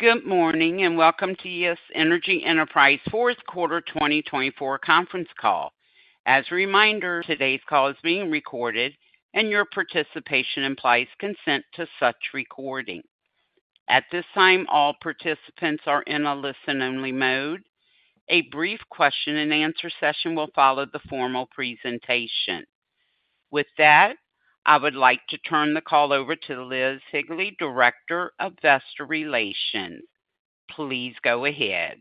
Good morning and welcome to Eos Energy Enterprises Fourth Quarter 2024 conference call. As a reminder, today's call is being recorded and your participation implies consent to such recording. At this time, all participants are in a listen-only mode. A brief question-and-answer session will follow the formal presentation. With that, I would like to turn the call over to Liz Higley, Director of Investo Relations. Please go ahead.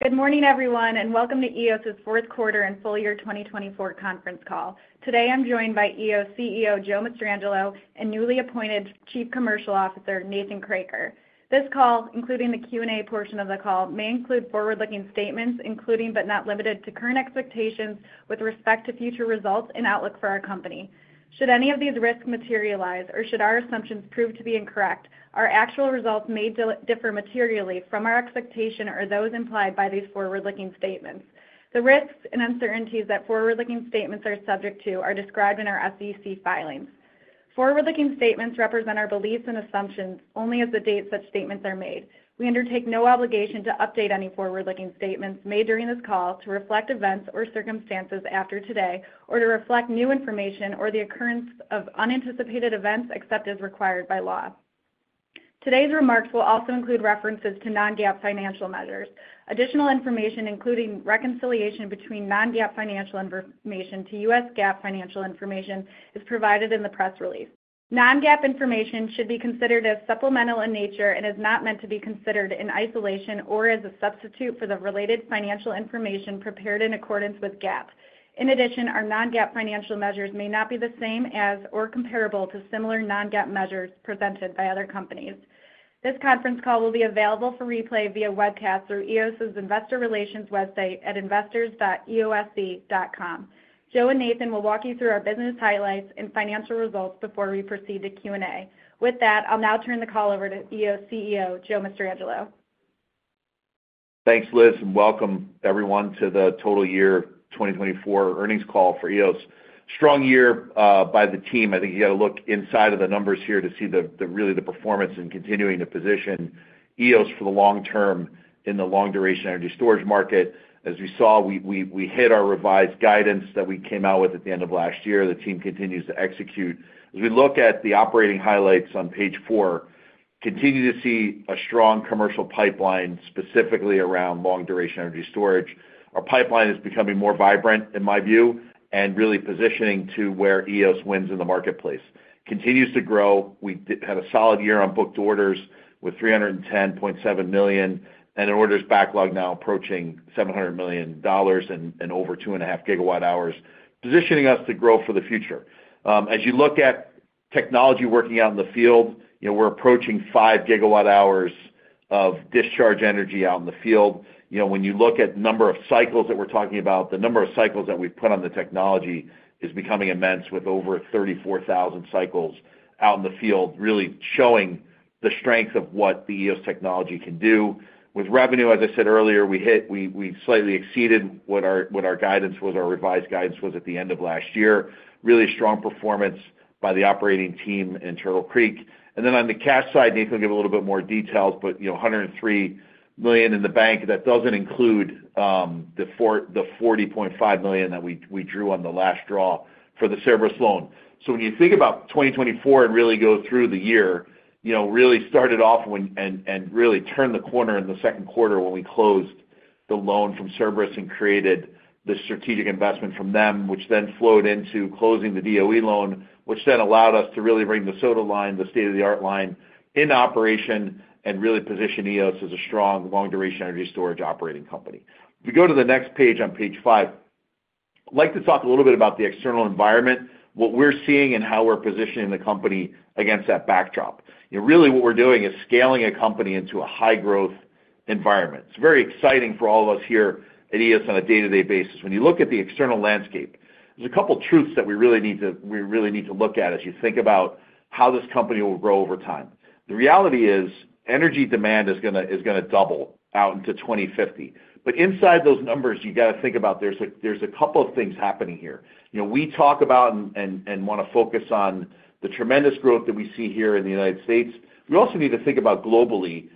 Good morning, everyone, and welcome to Eos' fourth quarter and full year 2024 conference call. Today, I'm joined by Eos CEO Joe Mastrangelo and newly appointed Chief Commercial Officer Nathan Kroeker. This call, including the Q&A portion of the call, may include forward-looking statements, including but not limited to current expectations with respect to future results and outlook for our company. Should any of these risks materialize or should our assumptions prove to be incorrect, our actual results may differ materially from our expectation or those implied by these forward-looking statements. The risks and uncertainties that forward-looking statements are subject to are described in our SEC filings. Forward-looking statements represent our beliefs and assumptions only as the date such statements are made. We undertake no obligation to update any forward-looking statements made during this call to reflect events or circumstances after today or to reflect new information or the occurrence of unanticipated events except as required by law. Today's remarks will also include references to non-GAAP financial measures. Additional information, including reconciliation between non-GAAP financial information to US GAAP financial information, is provided in the press release. Non-GAAP information should be considered as supplemental in nature and is not meant to be considered in isolation or as a substitute for the related financial information prepared in accordance with GAAP. In addition, our non-GAAP financial measures may not be the same as or comparable to similar non-GAAP measures presented by other companies. This conference call will be available for replay via webcast through Eos' Investor Relations website at investors.eose.com. Joe and Nathan will walk you through our business highlights and financial results before we proceed to Q&A. With that, I'll now turn the call over to Eos CEO Joe Mastrangelo. Thanks, Liz, and welcome everyone to the Total Year 2024 earnings call for Eos. Strong year by the team. I think you got to look inside of the numbers here to see really the performance and continuing to position Eos for the long term in the long-duration energy storage market. As we saw, we hit our revised guidance that we came out with at the end of last year. The team continues to execute. As we look at the operating highlights on page four, continue to see a strong commercial pipeline specifically around long-duration energy storage. Our pipeline is becoming more vibrant, in my view, and really positioning to where Eos wins in the marketplace. Continues to grow. We had a solid year on booked orders with $310.7 million, and an orders backlog now approaching $700 million and over 2.5 gigawatt hours, positioning us to grow for the future. As you look at technology working out in the field, we're approaching 5 gigawatt hours of discharge energy out in the field. When you look at the number of cycles that we're talking about, the number of cycles that we've put on the technology is becoming immense, with over 34,000 cycles out in the field, really showing the strength of what the Eos technology can do. With revenue, as I said earlier, we slightly exceeded what our guidance was, our revised guidance was at the end of last year. Really strong performance by the operating team in Turtle Creek. On the cash side, Nathan will give a little bit more details, but $103 million in the bank, that doesn't include the $40.5 million that we drew on the last draw for the Cerberus loan. When you think about 2024 and really go through the year, it really started off and really turned the corner in the second quarter when we closed the loan from Cerberus and created the strategic investment from them, which then flowed into closing the DOE loan, which then allowed us to really bring the state-of-the-art line into operation and really position Eos as a strong long-duration energy storage operating company. If we go to the next page on page five, I'd like to talk a little bit about the external environment, what we're seeing and how we're positioning the company against that backdrop. Really, what we're doing is scaling a company into a high-growth environment. It's very exciting for all of us here at Eos on a day-to-day basis. When you look at the external landscape, there's a couple of truths that we really need to look at as you think about how this company will grow over time. The reality is energy demand is going to double out into 2050. Inside those numbers, you got to think about there's a couple of things happening here. We talk about and want to focus on the tremendous growth that we see here in the United States. We also need to think about globally.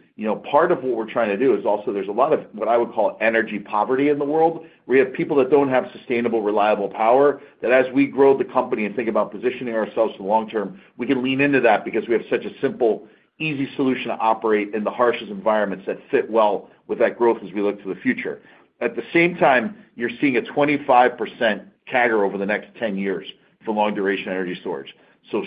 Part of what we're trying to do is also there's a lot of what I would call energy poverty in the world. We have people that don't have sustainable, reliable power that as we grow the company and think about positioning ourselves in the long term, we can lean into that because we have such a simple, easy solution to operate in the harshest environments that fit well with that growth as we look to the future. At the same time, you're seeing a 25% CAGR over the next 10 years for long-duration energy storage.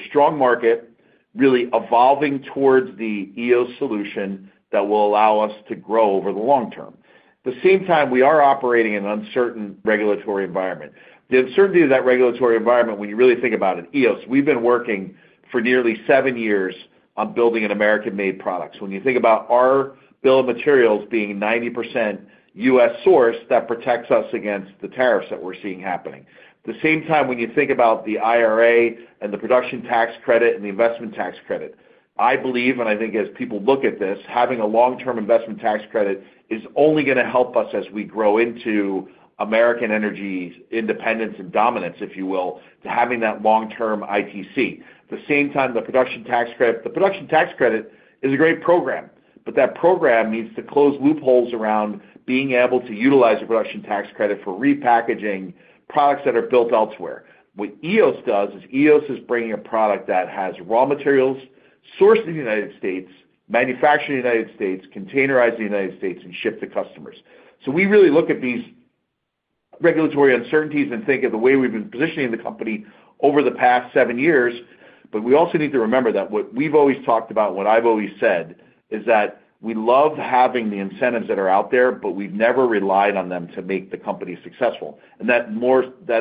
Strong market, really evolving towards the Eos solution that will allow us to grow over the long term. At the same time, we are operating in an uncertain regulatory environment. The uncertainty of that regulatory environment, when you really think about it, Eos, we've been working for nearly seven years on building an American-made product. When you think about our bill of materials being 90% US source, that protects us against the tariffs that we're seeing happening. At the same time, when you think about the IRA and the production tax credit and the investment tax credit, I believe, and I think as people look at this, having a long-term investment tax credit is only going to help us as we grow into American energy independence and dominance, if you will, to having that long-term ITC. At the same time, the production tax credit, the production tax credit is a great program, but that program needs to close loopholes around being able to utilize the production tax credit for repackaging products that are built elsewhere. What Eos does is Eos is bringing a product that has raw materials sourced in the United States, manufactured in the United States, containerized in the United States, and shipped to customers. We really look at these regulatory uncertainties and think of the way we've been positioning the company over the past seven years. We also need to remember that what we've always talked about and what I've always said is that we love having the incentives that are out there, but we've never relied on them to make the company successful. That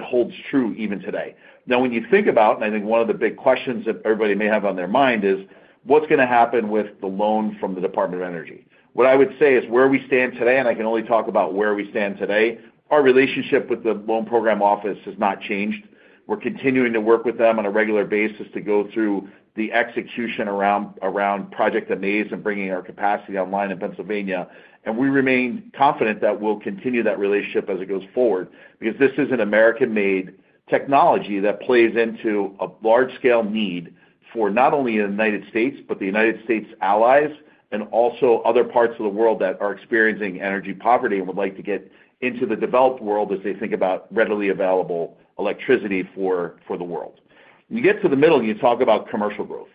holds true even today. Now, when you think about, and I think one of the big questions that everybody may have on their mind is, what's going to happen with the loan from the Department of Energy? What I would say is where we stand today, and I can only talk about where we stand today, our relationship with the Loan Program Office has not changed. We're continuing to work with them on a regular basis to go through the execution around Project Amaze and bringing our capacity online in Pennsylvania. We remain confident that we'll continue that relationship as it goes forward because this is an American-made technology that plays into a large-scale need for not only the United States, but the United States allies and also other parts of the world that are experiencing energy poverty and would like to get into the developed world as they think about readily available electricity for the world. When you get to the middle, you talk about commercial growth.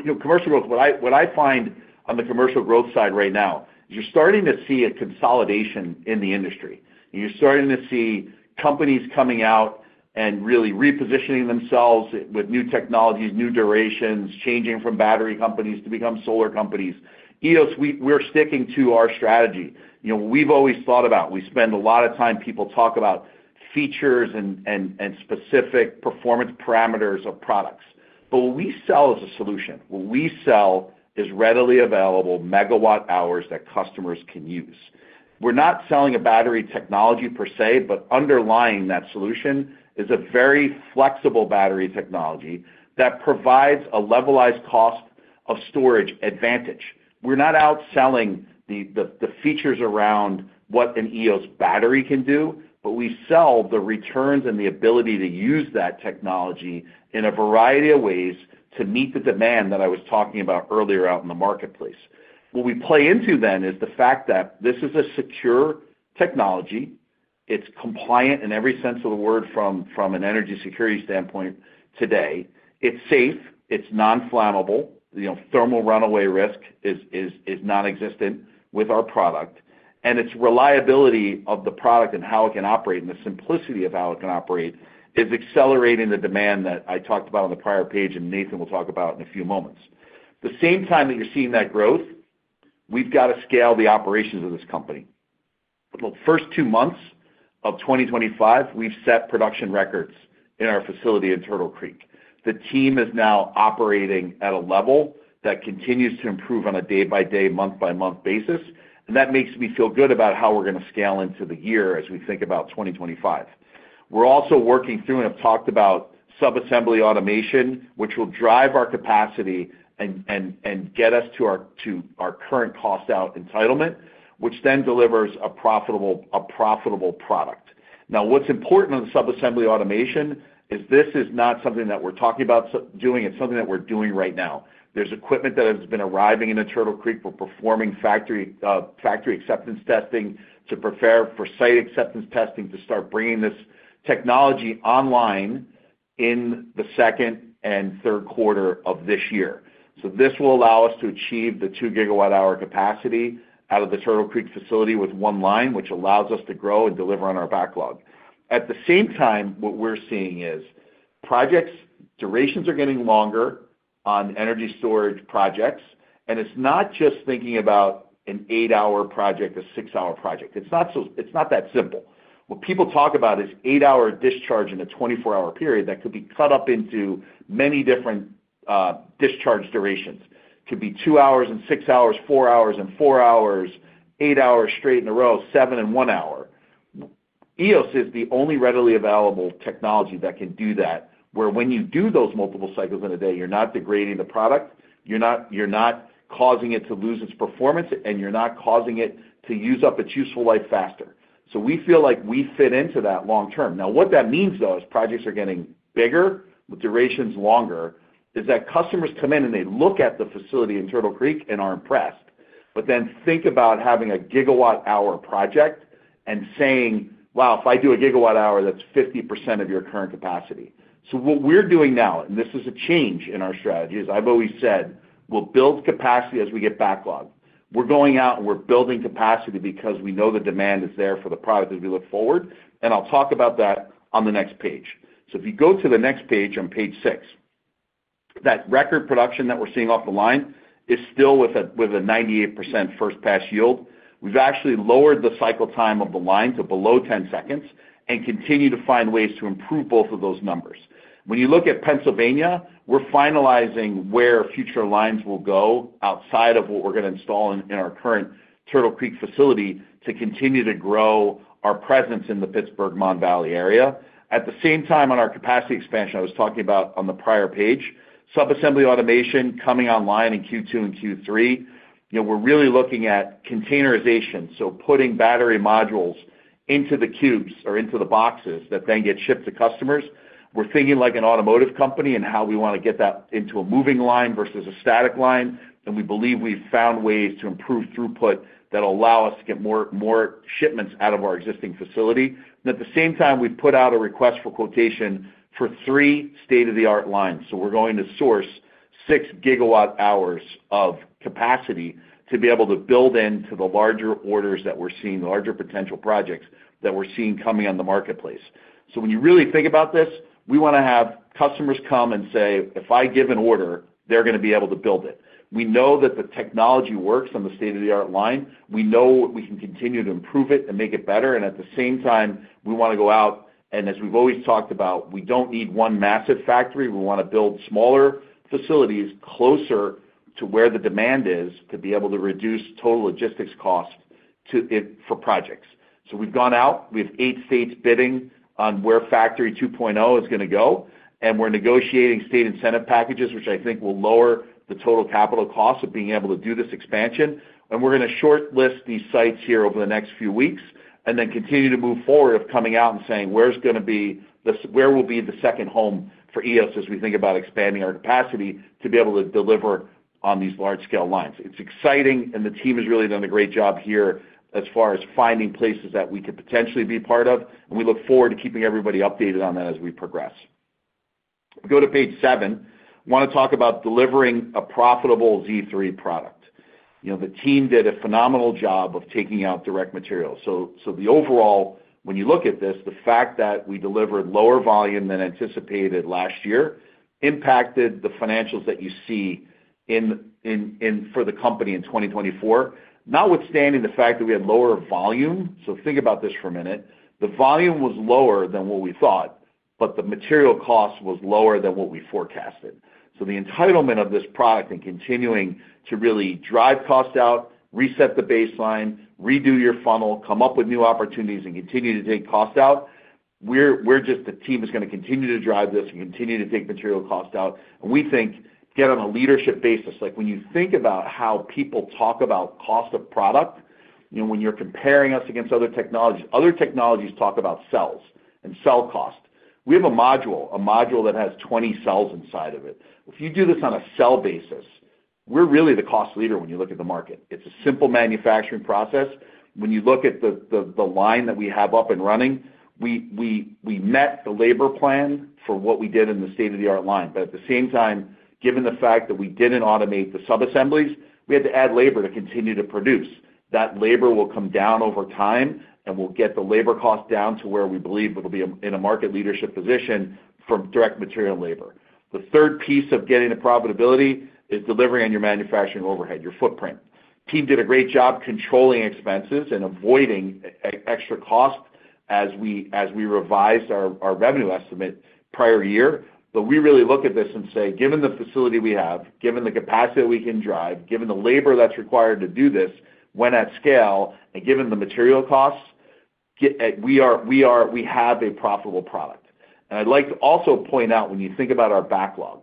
Commercial growth, what I find on the commercial growth side right now is you're starting to see a consolidation in the industry. You're starting to see companies coming out and really repositioning themselves with new technologies, new durations, changing from battery companies to become solar companies. Eos, we're sticking to our strategy. We've always thought about, we spend a lot of time, people talk about features and specific performance parameters of products. What we sell is a solution. What we sell is readily available megawatt hours that customers can use. We're not selling a battery technology per se, but underlying that solution is a very flexible battery technology that provides a levelized cost of storage advantage. We're not out selling the features around what an Eos battery can do, but we sell the returns and the ability to use that technology in a variety of ways to meet the demand that I was talking about earlier out in the marketplace. What we play into then is the fact that this is a secure technology. It's compliant in every sense of the word from an energy security standpoint today. It's safe. It's non-flammable. Thermal runaway risk is nonexistent with our product. Its reliability of the product and how it can operate and the simplicity of how it can operate is accelerating the demand that I talked about on the prior page and Nathan will talk about in a few moments. At the same time that you're seeing that growth, we've got to scale the operations of this company. The first two months of 2025, we've set production records in our facility in Turtle Creek. The team is now operating at a level that continues to improve on a day-by-day, month-by-month basis. That makes me feel good about how we're going to scale into the year as we think about 2025. We're also working through and have talked about sub-assembly automation, which will drive our capacity and get us to our current cost-out entitlement, which then delivers a profitable product. Now, what's important on the sub-assembly automation is this is not something that we're talking about doing. It's something that we're doing right now. There's equipment that has been arriving into Turtle Creek. We're performing factory acceptance testing to prepare for site acceptance testing to start bringing this technology online in the second and third quarter of this year. This will allow us to achieve the 2 GWh capacity out of the Turtle Creek facility with one line, which allows us to grow and deliver on our backlog. At the same time, what we're seeing is project durations are getting longer on energy storage projects. It's not just thinking about an eight-hour project, a six-hour project. It's not that simple. What people talk about is eight-hour discharge in a 24-hour period that could be cut up into many different discharge durations. It could be two hours and six hours, four hours and four hours, eight hours straight in a row, seven and one hour. Eos is the only readily available technology that can do that, where when you do those multiple cycles in a day, you're not degrading the product, you're not causing it to lose its performance, and you're not causing it to use up its useful life faster. We feel like we fit into that long term. Now, what that means, though, as projects are getting bigger, with durations longer, is that customers come in and they look at the facility in Turtle Creek and are impressed, but then think about having a gigawatt hour project and saying, "Wow, if I do a gigawatt hour, that's 50% of your current capacity." What we're doing now, and this is a change in our strategy, is I've always said, "We'll build capacity as we get backlog." We're going out and we're building capacity because we know the demand is there for the product as we look forward. I'll talk about that on the next page. If you go to the next page on page six, that record production that we're seeing off the line is still with a 98% first pass yield. We've actually lowered the cycle time of the line to below 10 seconds and continue to find ways to improve both of those numbers. When you look at Pennsylvania, we're finalizing where future lines will go outside of what we're going to install in our current Turtle Creek facility to continue to grow our presence in the Pittsburgh-Mon Valley area. At the same time, on our capacity expansion, I was talking about on the prior page, sub-assembly automation coming online in Q2 and Q3. We're really looking at containerization, so putting battery modules into the cubes or into the boxes that then get shipped to customers. We're thinking like an automotive company and how we want to get that into a moving line versus a static line. We believe we've found ways to improve throughput that will allow us to get more shipments out of our existing facility. At the same time, we've put out a request for quotation for three state-of-the-art lines. We're going to source 6 GWh of capacity to be able to build into the larger orders that we're seeing, the larger potential projects that we're seeing coming on the marketplace. When you really think about this, we want to have customers come and say, "If I give an order, they're going to be able to build it." We know that the technology works on the state-of-the-art line. We know we can continue to improve it and make it better. At the same time, we want to go out and, as we've always talked about, we don't need one massive factory. We want to build smaller facilities closer to where the demand is to be able to reduce total logistics cost for projects. We've gone out. We have eight states bidding on where Factory 2.0 is going to go. We are negotiating state incentive packages, which I think will lower the total capital cost of being able to do this expansion. We are going to shortlist these sites here over the next few weeks and then continue to move forward of coming out and saying, "Where's going to be the where will be the second home for Eos as we think about expanding our capacity to be able to deliver on these large-scale lines?" It's exciting, and the team has really done a great job here as far as finding places that we could potentially be part of. We look forward to keeping everybody updated on that as we progress. Go to page seven. I want to talk about delivering a profitable Z3 product. The team did a phenomenal job of taking out direct materials. Overall, when you look at this, the fact that we delivered lower volume than anticipated last year impacted the financials that you see for the company in 2024. Notwithstanding the fact that we had lower volume, think about this for a minute. The volume was lower than what we thought, but the material cost was lower than what we forecasted. The entitlement of this product and continuing to really drive cost out, reset the baseline, redo your funnel, come up with new opportunities, and continue to take cost out, the team is going to continue to drive this and continue to take material cost out. We think, again, on a leadership basis, when you think about how people talk about cost of product, when you're comparing us against other technologies, other technologies talk about cells and cell cost. We have a module, a module that has 20 cells inside of it. If you do this on a cell basis, we're really the cost leader when you look at the market. It's a simple manufacturing process. When you look at the line that we have up and running, we met the labor plan for what we did in the state-of-the-art line. Given the fact that we didn't automate the sub-assemblies, we had to add labor to continue to produce. That labor will come down over time, and we'll get the labor cost down to where we believe it'll be in a market leadership position from direct material and labor. The third piece of getting to profitability is delivering on your manufacturing overhead, your footprint. Team did a great job controlling expenses and avoiding extra cost as we revised our revenue estimate prior year. We really look at this and say, "Given the facility we have, given the capacity that we can drive, given the labor that's required to do this when at scale, and given the material costs, we have a profitable product." I'd like to also point out, when you think about our backlog,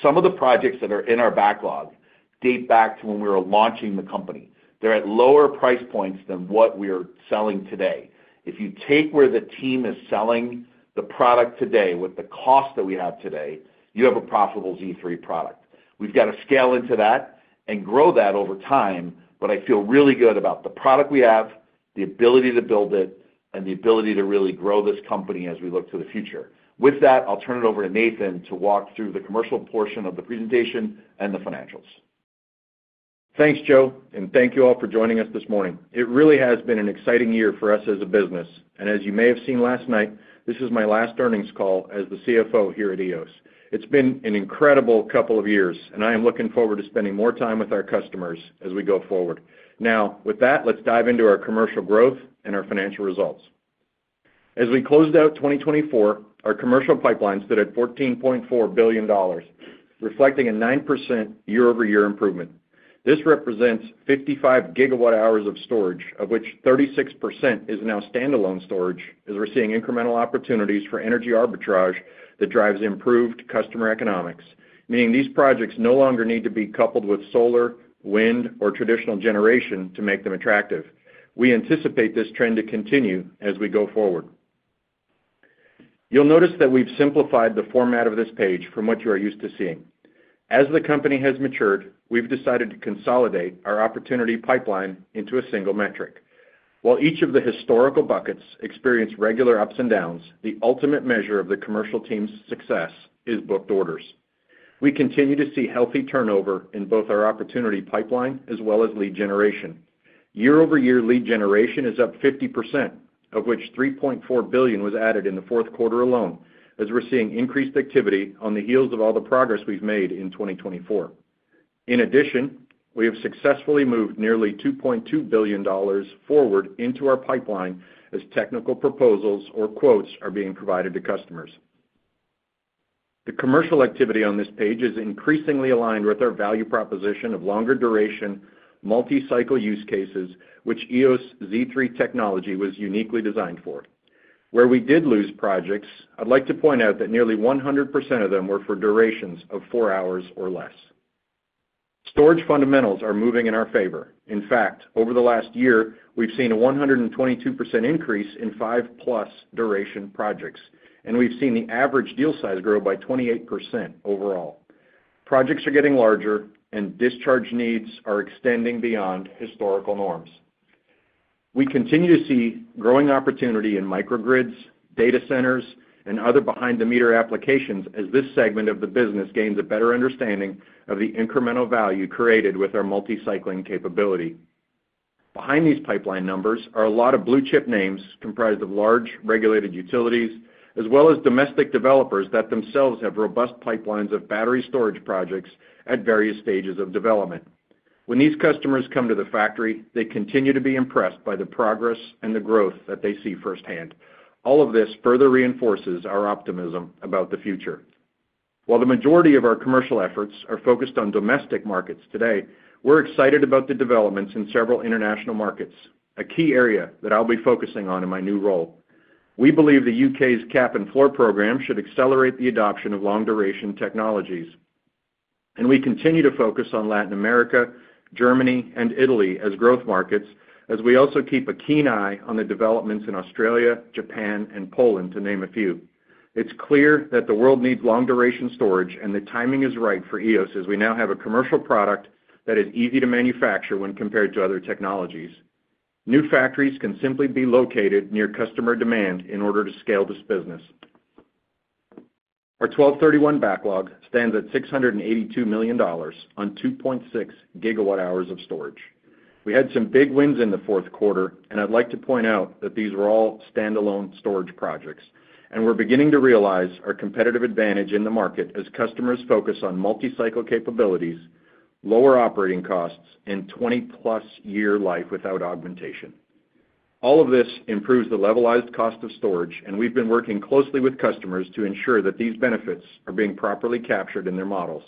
some of the projects that are in our backlog date back to when we were launching the company. They're at lower price points than what we are selling today. If you take where the team is selling the product today with the cost that we have today, you have a profitable Z3 product. We've got to scale into that and grow that over time, but I feel really good about the product we have, the ability to build it, and the ability to really grow this company as we look to the future. With that, I'll turn it over to Nathan to walk through the commercial portion of the presentation and the financials. Thanks, Joe, and thank you all for joining us this morning. It really has been an exciting year for us as a business. As you may have seen last night, this is my last earnings call as the CFO here at Eos. It's been an incredible couple of years, and I am looking forward to spending more time with our customers as we go forward. Now, with that, let's dive into our commercial growth and our financial results. As we closed out 2024, our commercial pipeline stood at $14.4 billion, reflecting a 9% year-over-year improvement. This represents 55 gigawatt hours of storage, of which 36% is now standalone storage, as we're seeing incremental opportunities for energy arbitrage that drives improved customer economics, meaning these projects no longer need to be coupled with solar, wind, or traditional generation to make them attractive. We anticipate this trend to continue as we go forward. You'll notice that we've simplified the format of this page from what you are used to seeing. As the company has matured, we've decided to consolidate our opportunity pipeline into a single metric. While each of the historical buckets experienced regular ups and downs, the ultimate measure of the commercial team's success is booked orders. We continue to see healthy turnover in both our opportunity pipeline as well as lead generation. Year-over-year lead generation is up 50%, of which $3.4 billion was added in the fourth quarter alone, as we're seeing increased activity on the heels of all the progress we've made in 2024. In addition, we have successfully moved nearly $2.2 billion forward into our pipeline as technical proposals or quotes are being provided to customers. The commercial activity on this page is increasingly aligned with our value proposition of longer duration, multi-cycle use cases, which Eos Z3 technology was uniquely designed for. Where we did lose projects, I'd like to point out that nearly 100% of them were for durations of 4 hours or less. Storage fundamentals are moving in our favor. In fact, over the last year, we've seen a 122% increase in 5-plus duration projects, and we've seen the average deal size grow by 28% overall. Projects are getting larger, and discharge needs are extending beyond historical norms. We continue to see growing opportunity in microgrids, data centers, and other behind-the-meter applications as this segment of the business gains a better understanding of the incremental value created with our multi-cycling capability. Behind these pipeline numbers are a lot of blue-chip names comprised of large regulated utilities, as well as domestic developers that themselves have robust pipelines of battery storage projects at various stages of development. When these customers come to the factory, they continue to be impressed by the progress and the growth that they see firsthand. All of this further reinforces our optimism about the future. While the majority of our commercial efforts are focused on domestic markets today, we're excited about the developments in several international markets, a key area that I'll be focusing on in my new role. We believe the U.K.'s cap and floor program should accelerate the adoption of long-duration technologies. We continue to focus on Latin America, Germany, and Italy as growth markets, as we also keep a keen eye on the developments in Australia, Japan, and Poland, to name a few. It is clear that the world needs long-duration storage, and the timing is right for Eos as we now have a commercial product that is easy to manufacture when compared to other technologies. New factories can simply be located near customer demand in order to scale this business. Our December 31 backlog stands at $682 million on 2.6 gigawatt hours of storage. We had some big wins in the fourth quarter, and I would like to point out that these were all standalone storage projects. We are beginning to realize our competitive advantage in the market as customers focus on multi-cycle capabilities, lower operating costs, and 20-plus year life without augmentation. All of this improves the levelized cost of storage, and we have been working closely with customers to ensure that these benefits are being properly captured in their models.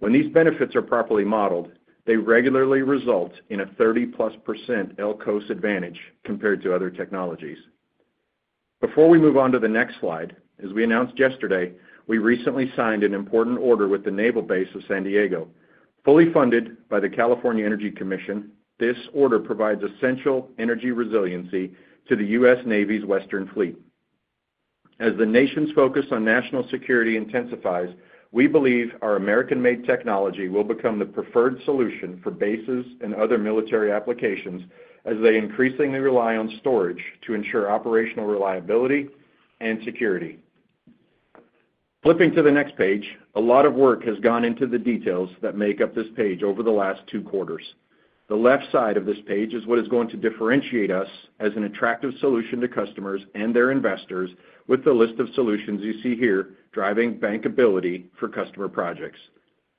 When these benefits are properly modeled, they regularly result in a 30-plus % LCOES advantage compared to other technologies. Before we move on to the next slide, as we announced yesterday, we recently signed an important order with the Naval Base of San Diego. Fully funded by the California Energy Commission, this order provides essential energy resiliency to the U.S. Navy's Western Fleet. As the nation's focus on national security intensifies, we believe our American-made technology will become the preferred solution for bases and other military applications as they increasingly rely on storage to ensure operational reliability and security. Flipping to the next page, a lot of work has gone into the details that make up this page over the last two quarters. The left side of this page is what is going to differentiate us as an attractive solution to customers and their investors with the list of solutions you see here driving bankability for customer projects.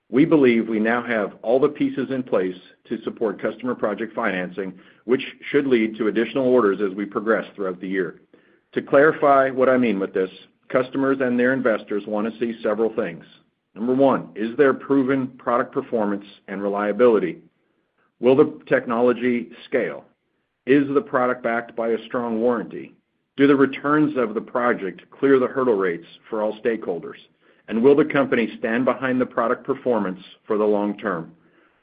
We believe we now have all the pieces in place to support customer project financing, which should lead to additional orders as we progress throughout the year. To clarify what I mean with this, customers and their investors want to see several things. Number one, is there proven product performance and reliability? Will the technology scale? Is the product backed by a strong warranty? Do the returns of the project clear the hurdle rates for all stakeholders? Will the company stand behind the product performance for the long term?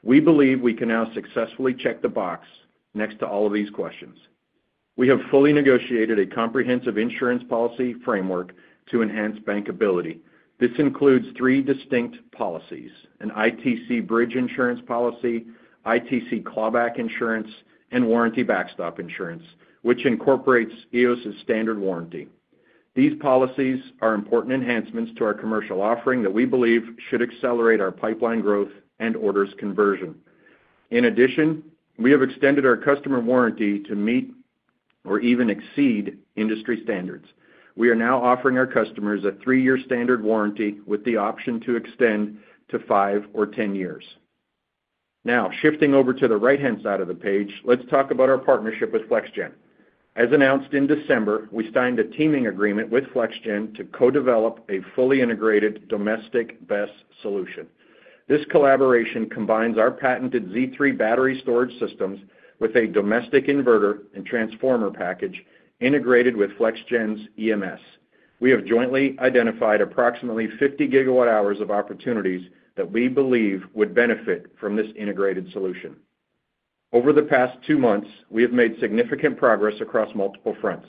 We believe we can now successfully check the box next to all of these questions. We have fully negotiated a comprehensive insurance policy framework to enhance bankability. This includes three distinct policies: an ITC Bridge Insurance policy, ITC Clawback Insurance, and Warranty Backstop Insurance, which incorporates Eos's standard warranty. These policies are important enhancements to our commercial offering that we believe should accelerate our pipeline growth and orders conversion. In addition, we have extended our customer warranty to meet or even exceed industry standards. We are now offering our customers a three-year standard warranty with the option to extend to five or ten years. Now, shifting over to the right-hand side of the page, let's talk about our partnership with FlexGen. As announced in December, we signed a teaming agreement with FlexGen to co-develop a fully integrated domestic best solution. This collaboration combines our patented Z3 battery storage systems with a domestic inverter and transformer package integrated with FlexGen's EMS. We have jointly identified approximately 50 GWh of opportunities that we believe would benefit from this integrated solution. Over the past two months, we have made significant progress across multiple fronts.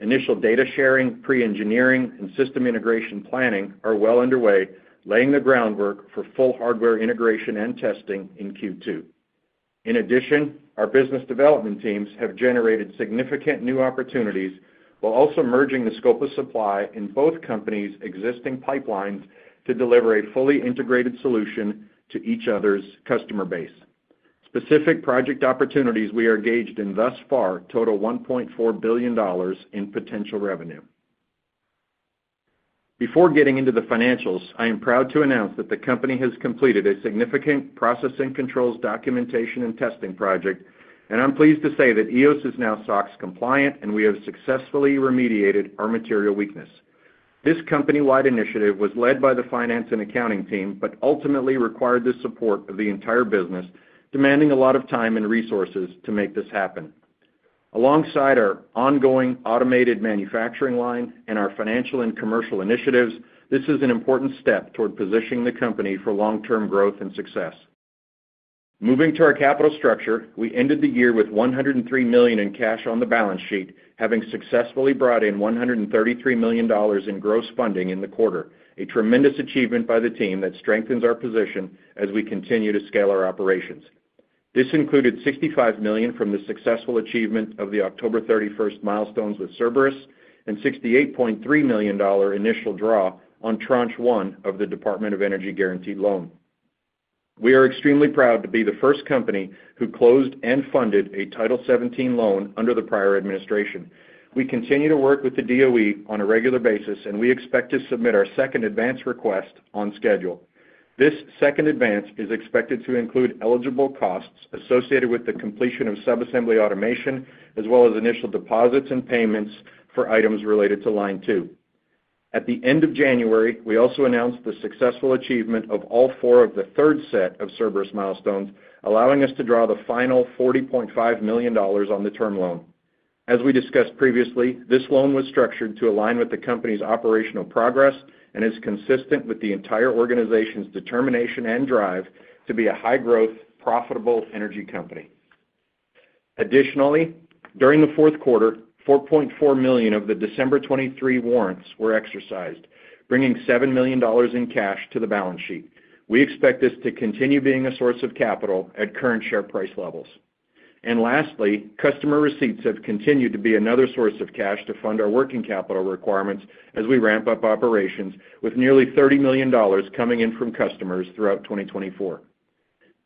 Initial data sharing, pre-engineering, and system integration planning are well underway, laying the groundwork for full hardware integration and testing in Q2. In addition, our business development teams have generated significant new opportunities while also merging the scope of supply in both companies' existing pipelines to deliver a fully integrated solution to each other's customer base. Specific project opportunities we are engaged in thus far total $1.4 billion in potential revenue. Before getting into the financials, I am proud to announce that the company has completed a significant processing controls documentation and testing project, and I'm pleased to say that Eos is now SOX compliant, and we have successfully remediated our material weakness. This company-wide initiative was led by the finance and accounting team, but ultimately required the support of the entire business, demanding a lot of time and resources to make this happen. Alongside our ongoing automated manufacturing line and our financial and commercial initiatives, this is an important step toward positioning the company for long-term growth and success. Moving to our capital structure, we ended the year with $103 million in cash on the balance sheet, having successfully brought in $133 million in gross funding in the quarter, a tremendous achievement by the team that strengthens our position as we continue to scale our operations. This included $65 million from the successful achievement of the October 31st milestones with Cerberus and $68.3 million initial draw on tranche one of the Department of Energy guaranteed loan. We are extremely proud to be the first company who closed and funded a Title 17 loan under the prior administration. We continue to work with the DOE on a regular basis, and we expect to submit our second advance request on schedule. This second advance is expected to include eligible costs associated with the completion of sub-assembly automation, as well as initial deposits and payments for items related to line two. At the end of January, we also announced the successful achievement of all four of the third set of Cerberus milestones, allowing us to draw the final $40.5 million on the term loan. As we discussed previously, this loan was structured to align with the company's operational progress and is consistent with the entire organization's determination and drive to be a high-growth, profitable energy company. Additionally, during the fourth quarter, $4.4 million of the December 23 warrants were exercised, bringing $7 million in cash to the balance sheet. We expect this to continue being a source of capital at current share price levels. Lastly, customer receipts have continued to be another source of cash to fund our working capital requirements as we ramp up operations, with nearly $30 million coming in from customers throughout 2024.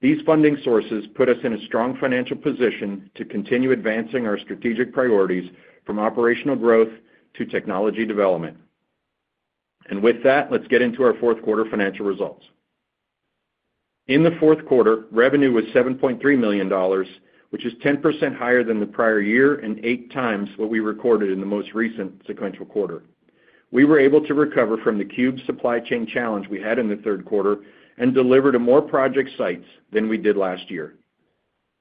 These funding sources put us in a strong financial position to continue advancing our strategic priorities from operational growth to technology development. With that, let's get into our fourth quarter financial results. In the fourth quarter, revenue was $7.3 million, which is 10% higher than the prior year and eight times what we recorded in the most recent sequential quarter. We were able to recover from the cube supply chain challenge we had in the third quarter and delivered more project sites than we did last year.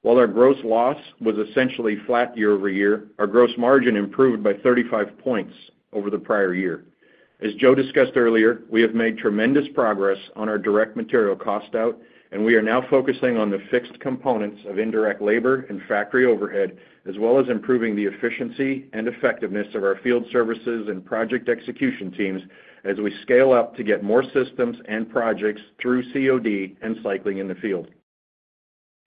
While our gross loss was essentially flat year over year, our gross margin improved by 35 percentage points over the prior year. As Joe discussed earlier, we have made tremendous progress on our direct material cost out, and we are now focusing on the fixed components of indirect labor and factory overhead, as well as improving the efficiency and effectiveness of our field services and project execution teams as we scale up to get more systems and projects through COD and cycling in the field.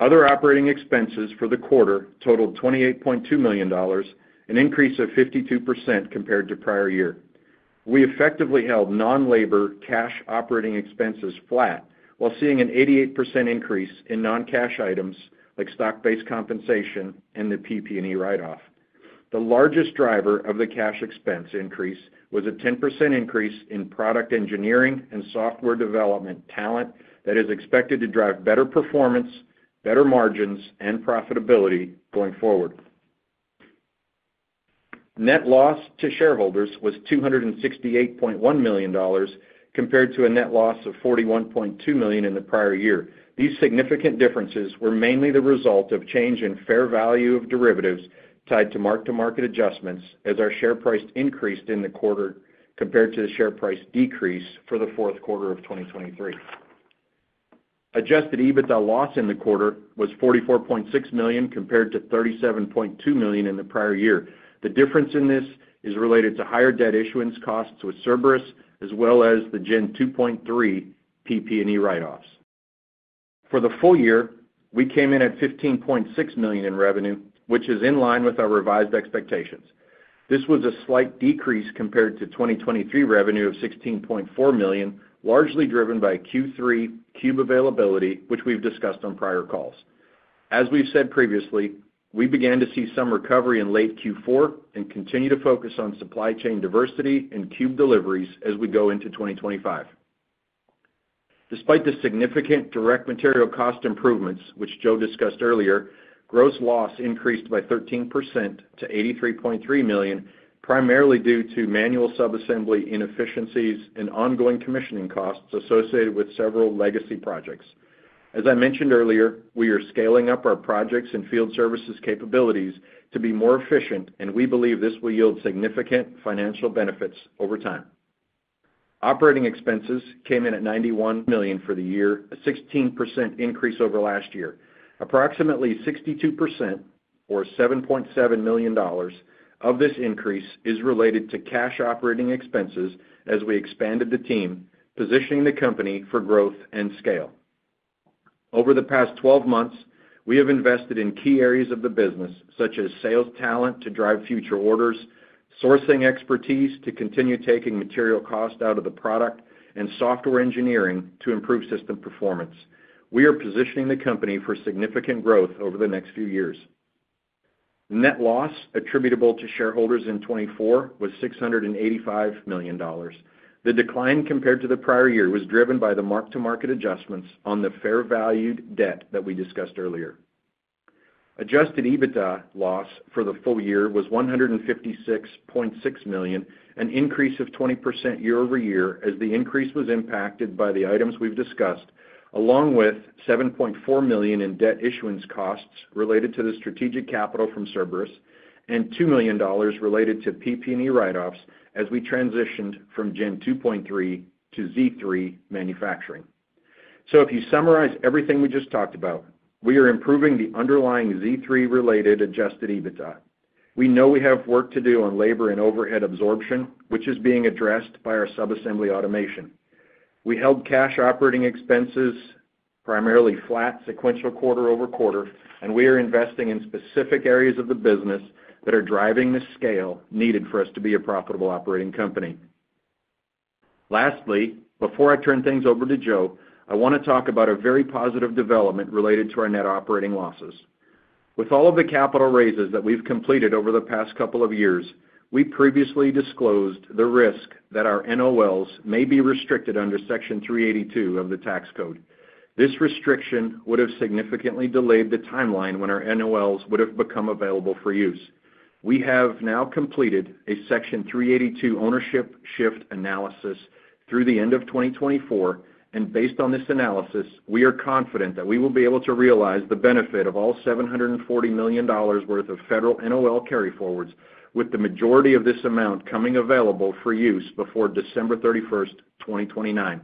Other operating expenses for the quarter totaled $28.2 million, an increase of 52% compared to prior year. We effectively held non-labor cash operating expenses flat while seeing an 88% increase in non-cash items like stock-based compensation and the PP&E write-off. The largest driver of the cash expense increase was a 10% increase in product engineering and software development talent that is expected to drive better performance, better margins, and profitability going forward. Net loss to shareholders was $268.1 million compared to a net loss of $41.2 million in the prior year. These significant differences were mainly the result of change in fair value of derivatives tied to mark-to-market adjustments as our share price increased in the quarter compared to the share price decrease for the fourth quarter of 2023. Adjusted EBITDA loss in the quarter was $44.6 million compared to $37.2 million in the prior year. The difference in this is related to higher debt issuance costs with Cerberus, as well as the Gen 2.3 PP&E write-offs. For the full year, we came in at $15.6 million in revenue, which is in line with our revised expectations. This was a slight decrease compared to 2023 revenue of $16.4 million, largely driven by Q3 cube availability, which we've discussed on prior calls. As we've said previously, we began to see some recovery in late Q4 and continue to focus on supply chain diversity and cube deliveries as we go into 2025. Despite the significant direct material cost improvements, which Joe discussed earlier, gross loss increased by 13% to $83.3 million, primarily due to manual subassembly inefficiencies and ongoing commissioning costs associated with several legacy projects. As I mentioned earlier, we are scaling up our projects and field services capabilities to be more efficient, and we believe this will yield significant financial benefits over time. Operating expenses came in at $91 million for the year, a 16% increase over last year. Approximately 62%, or $7.7 million, of this increase is related to cash operating expenses as we expanded the team, positioning the company for growth and scale. Over the past 12 months, we have invested in key areas of the business, such as sales talent to drive future orders, sourcing expertise to continue taking material cost out of the product, and software engineering to improve system performance. We are positioning the company for significant growth over the next few years. Net loss attributable to shareholders in 2024 was $685 million. The decline compared to the prior year was driven by the mark-to-market adjustments on the fair valued debt that we discussed earlier. Adjusted EBITDA loss for the full year was $156.6 million, an increase of 20% year over year as the increase was impacted by the items we've discussed, along with $7.4 million in debt issuance costs related to the strategic capital from Cerberus and $2 million related to PP&E write-offs as we transitioned from Gen 2.3 to Z3 manufacturing. If you summarize everything we just talked about, we are improving the underlying Z3-related adjusted EBITDA. We know we have work to do on labor and overhead absorption, which is being addressed by our subassembly automation. We held cash operating expenses primarily flat sequential quarter over quarter, and we are investing in specific areas of the business that are driving the scale needed for us to be a profitable operating company. Lastly, before I turn things over to Joe, I want to talk about a very positive development related to our net operating losses. With all of the capital raises that we've completed over the past couple of years, we previously disclosed the risk that our NOLs may be restricted under Section 382 of the tax code. This restriction would have significantly delayed the timeline when our NOLs would have become available for use. We have now completed a Section 382 ownership shift analysis through the end of 2024, and based on this analysis, we are confident that we will be able to realize the benefit of all $740 million worth of federal NOL carry forwards, with the majority of this amount coming available for use before December 31, 2029.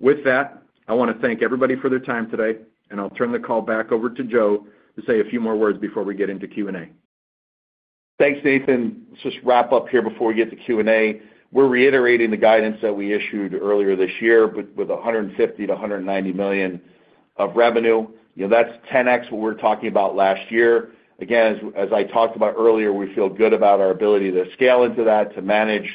With that, I want to thank everybody for their time today, and I'll turn the call back over to Joe to say a few more words before we get into Q&A. Thanks, Nathan. Let's just wrap up here before we get to Q&A. We're reiterating the guidance that we issued earlier this year with $150-$190 million of revenue. That's 10x what we were talking about last year. Again, as I talked about earlier, we feel good about our ability to scale into that, to manage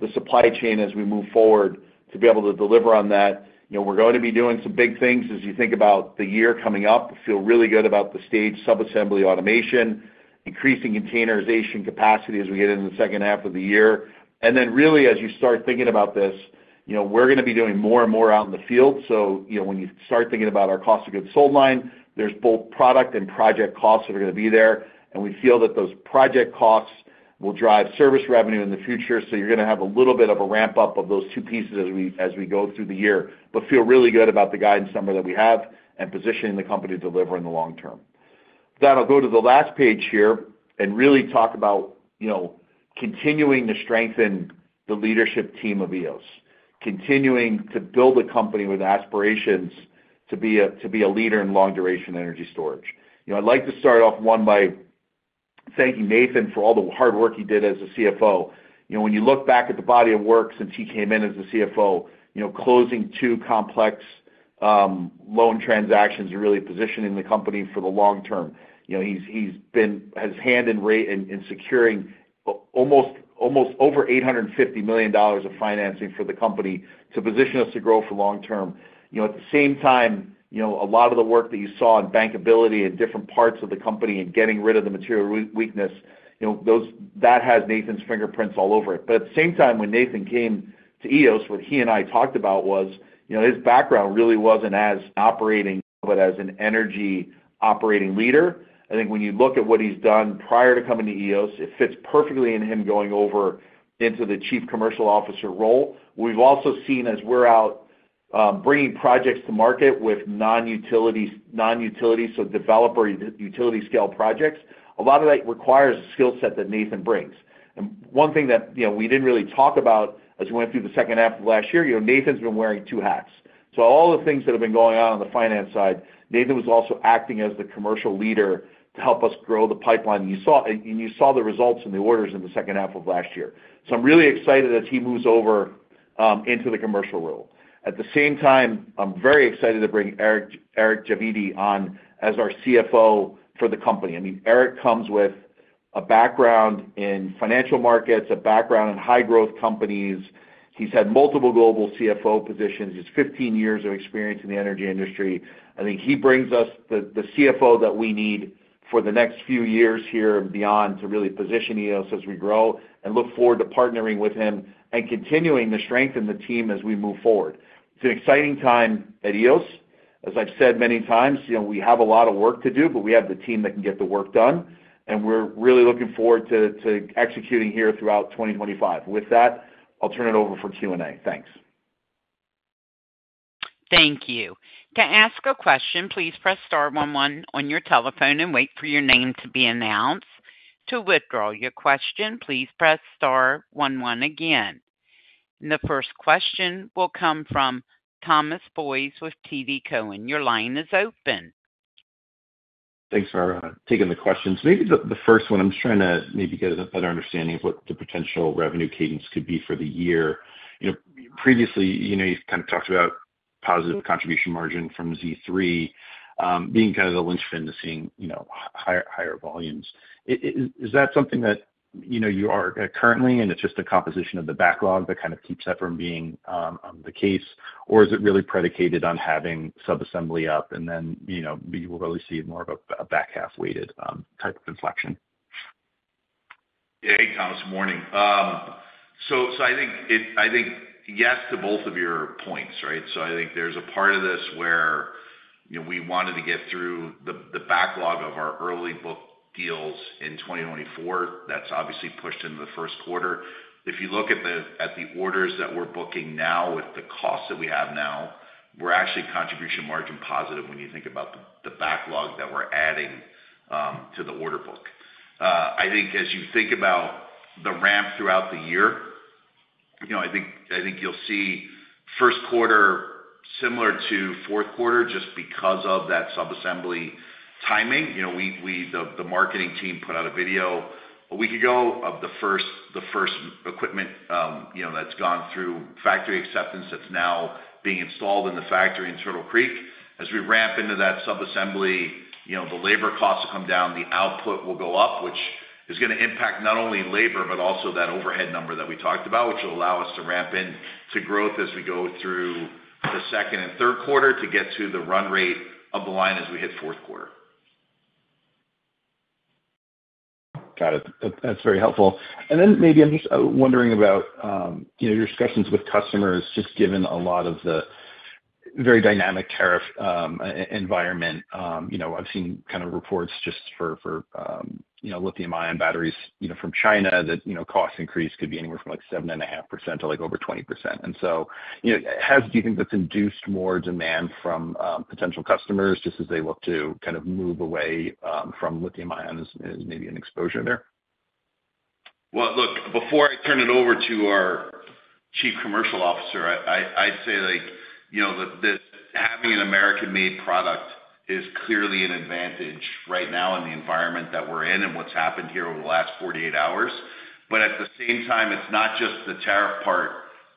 the supply chain as we move forward, to be able to deliver on that. We are going to be doing some big things as you think about the year coming up. I feel really good about the stage sub-assembly automation, increasing containerization capacity as we get into the second half of the year. As you start thinking about this, we are going to be doing more and more out in the field. When you start thinking about our cost of goods sold line, there are both product and project costs that are going to be there, and we feel that those project costs will drive service revenue in the future. You're going to have a little bit of a ramp-up of those two pieces as we go through the year, but feel really good about the guidance number that we have and positioning the company to deliver in the long term. I'll go to the last page here and really talk about continuing to strengthen the leadership team of Eos, continuing to build a company with aspirations to be a leader in long-duration energy storage. I'd like to start off, one, by thanking Nathan for all the hard work he did as CFO. When you look back at the body of work since he came in as CFO, closing two complex loan transactions and really positioning the company for the long term. He's had his hand in securing almost over $850 million of financing for the company to position us to grow for the long term. At the same time, a lot of the work that you saw in bankability and different parts of the company and getting rid of the material weakness, that has Nathan's fingerprints all over it. At the same time, when Nathan came to Eos, what he and I talked about was his background really wasn't as operating, but as an energy operating leader. I think when you look at what he's done prior to coming to Eos, it fits perfectly in him going over into the Chief Commercial Officer role. We've also seen as we're out bringing projects to market with non-utilities, so developer utility scale projects, a lot of that requires a skill set that Nathan brings. One thing that we didn't really talk about as we went through the second half of last year, Nathan's been wearing two hats. All the things that have been going on on the finance side, Nathan was also acting as the commercial leader to help us grow the pipeline. You saw the results and the orders in the second half of last year. I'm really excited as he moves over into the commercial role. At the same time, I'm very excited to bring Eric Javidi on as our CFO for the company. I mean, Eric comes with a background in financial markets, a background in high-growth companies. He's had multiple global CFO positions. He has 15 years of experience in the energy industry. I think he brings us the CFO that we need for the next few years here and beyond to really position Eos as we grow and look forward to partnering with him and continuing to strengthen the team as we move forward. It's an exciting time at Eos. As I've said many times, we have a lot of work to do, but we have the team that can get the work done, and we're really looking forward to executing here throughout 2025. With that, I'll turn it over for Q&A. Thanks. Thank you. To ask a question, please press star one, one on your telephone and wait for your name to be announced. To withdraw your question, please press star one, one again. The first question will come from Thomas Boyes with TD Cowen. Your line is open. Thanks for taking the questions. Maybe the first one, I'm just trying to maybe get a better understanding of what the potential revenue cadence could be for the year. Previously, you kind of talked about positive contribution margin from Z3 being kind of the linchpin to seeing higher volumes. Is that something that you are currently, and it's just a composition of the backlog that kind of keeps that from being the case, or is it really predicated on having sub-assembly up and then you will really see more of a back half-weighted type of inflection? Hey, Thomas. Good morning. I think yes to both of your points, right? I think there's a part of this where we wanted to get through the backlog of our early book deals in 2024. That's obviously pushed into the first quarter. If you look at the orders that we're booking now with the costs that we have now, we're actually contribution margin positive when you think about the backlog that we're adding to the order book. I think as you think about the ramp throughout the year, I think you'll see first quarter similar to fourth quarter just because of that subassembly timing. The marketing team put out a video a week ago of the first equipment that's gone through factory acceptance that's now being installed in the factory in Turtle Creek. As we ramp into that subassembly, the labor costs will come down, the output will go up, which is going to impact not only labor, but also that overhead number that we talked about, which will allow us to ramp into growth as we go through the second and third quarter to get to the run rate of the line as we hit fourth quarter. Got it. That's very helpful. Maybe I'm just wondering about your discussions with customers, just given a lot of the very dynamic tariff environment. I've seen kind of reports just for lithium-ion batteries from China that cost increase could be anywhere from like 7.5% to like over 20%. Do you think that's induced more demand from potential customers just as they look to kind of move away from lithium-ion as maybe an exposure there? Look, before I turn it over to our Chief Commercial Officer, I'd say that having an American-made product is clearly an advantage right now in the environment that we're in and what's happened here over the last 48 hours. At the same time, it's not just the tariff part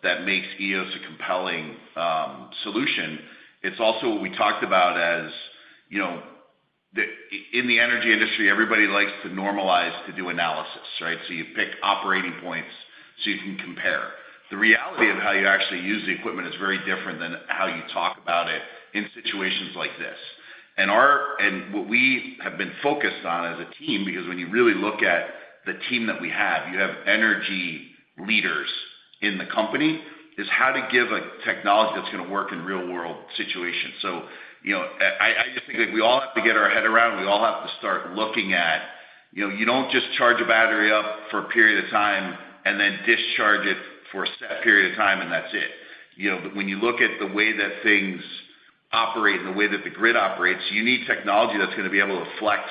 that makes Eos a compelling solution. It's also what we talked about as in the energy industry, everybody likes to normalize to do analysis, right? You pick operating points so you can compare. The reality of how you actually use the equipment is very different than how you talk about it in situations like this. What we have been focused on as a team, because when you really look at the team that we have, you have energy leaders in the company, is how to give a technology that's going to work in real-world situations. I just think we all have to get our head around. We all have to start looking at you don't just charge a battery up for a period of time and then discharge it for a set period of time, and that's it. When you look at the way that things operate and the way that the grid operates, you need technology that's going to be able to flex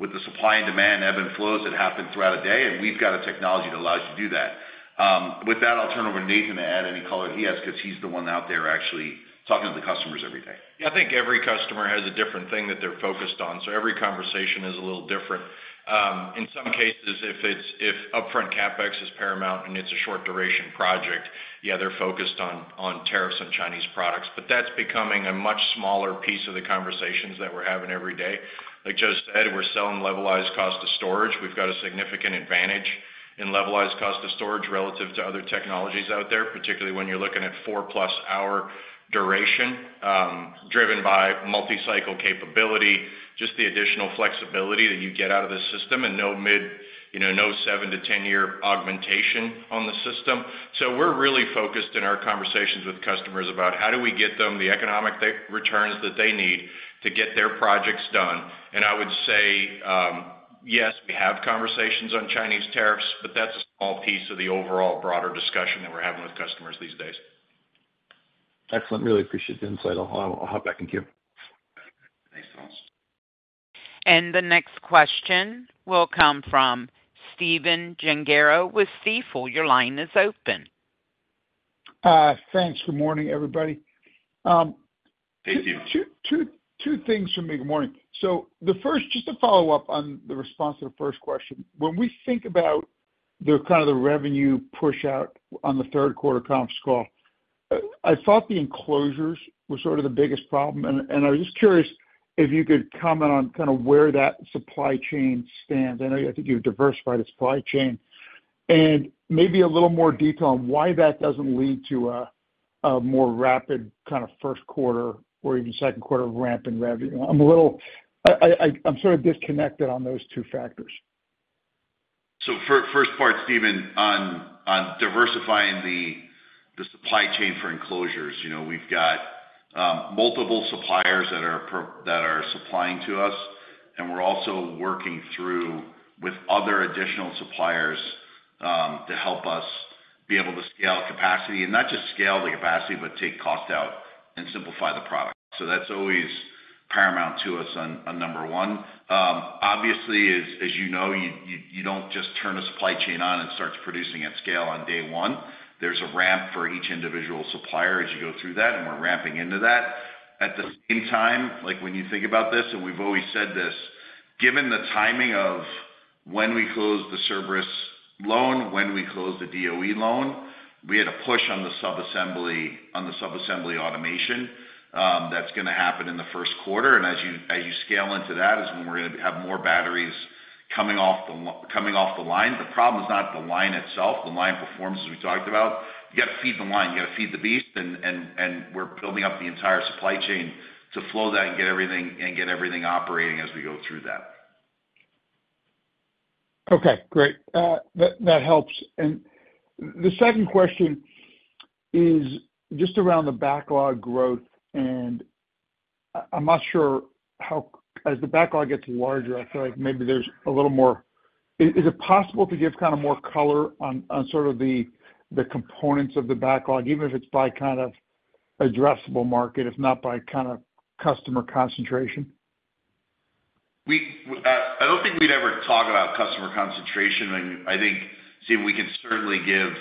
with the supply and demand ebb and flows that happen throughout a day, and we've got a technology that allows you to do that. With that, I'll turn it over to Nathan to add any color he has because he's the one out there actually talking to the customers every day. Yeah, I think every customer has a different thing that they're focused on. So every conversation is a little different. In some cases, if upfront CapEx is paramount and it's a short-duration project, yeah, they're focused on tariffs on Chinese products. That's becoming a much smaller piece of the conversations that we're having every day. Like Joe said, we're selling levelized cost of storage. We've got a significant advantage in levelized cost of storage relative to other technologies out there, particularly when you're looking at four-plus hour duration driven by multi-cycle capability, just the additional flexibility that you get out of the system and no 7-10 year augmentation on the system. We are really focused in our conversations with customers about how do we get them the economic returns that they need to get their projects done. I would say, yes, we have conversations on Chinese tariffs, but that's a small piece of the overall broader discussion that we're having with customers these days. Excellent. Really appreciate the insight. I'll hop back into you. Thanks, Thomas. The next question will come from Stephen Gengaro with Stifel. Your line is open. Thanks. Good morning, everybody. Hey, Steve. Two things for me. Good morning. Just to follow up on the response to the first question, when we think about kind of the revenue push-out on the third quarter conference call, I thought the enclosures were sort of the biggest problem. I was just curious if you could comment on kind of where that supply chain stands. I know I think you've diversified a supply chain. Maybe a little more detail on why that doesn't lead to a more rapid kind of first quarter or even second quarter ramp in revenue. I'm sort of disconnected on those two factors. First part, Stephen, on diversifying the supply chain for enclosures. We've got multiple suppliers that are supplying to us, and we're also working through with other additional suppliers to help us be able to scale capacity. Not just scale the capacity, but take cost out and simplify the product. That's always paramount to us on number one. Obviously, as you know, you don't just turn a supply chain on and start producing at scale on day one. There's a ramp for each individual supplier as you go through that, and we're ramping into that. At the same time, when you think about this, and we've always said this, given the timing of when we close the Cerberus loan, when we close the DOE loan, we had a push on the sub-assembly automation that's going to happen in the first quarter. As you scale into that, that is when we're going to have more batteries coming off the line. The problem is not the line itself. The line performs, as we talked about. You got to feed the line. You got to feed the beast. We're building up the entire supply chain to flow that and get everything operating as we go through that. Okay. Great. That helps. The second question is just around the backlog growth. I'm not sure how, as the backlog gets larger, I feel like maybe there's a little more, is it possible to give kind of more color on sort of the components of the backlog, even if it's by kind of addressable market, if not by kind of customer concentration? I don't think we'd ever talk about customer concentration. I think, Steve, we can certainly give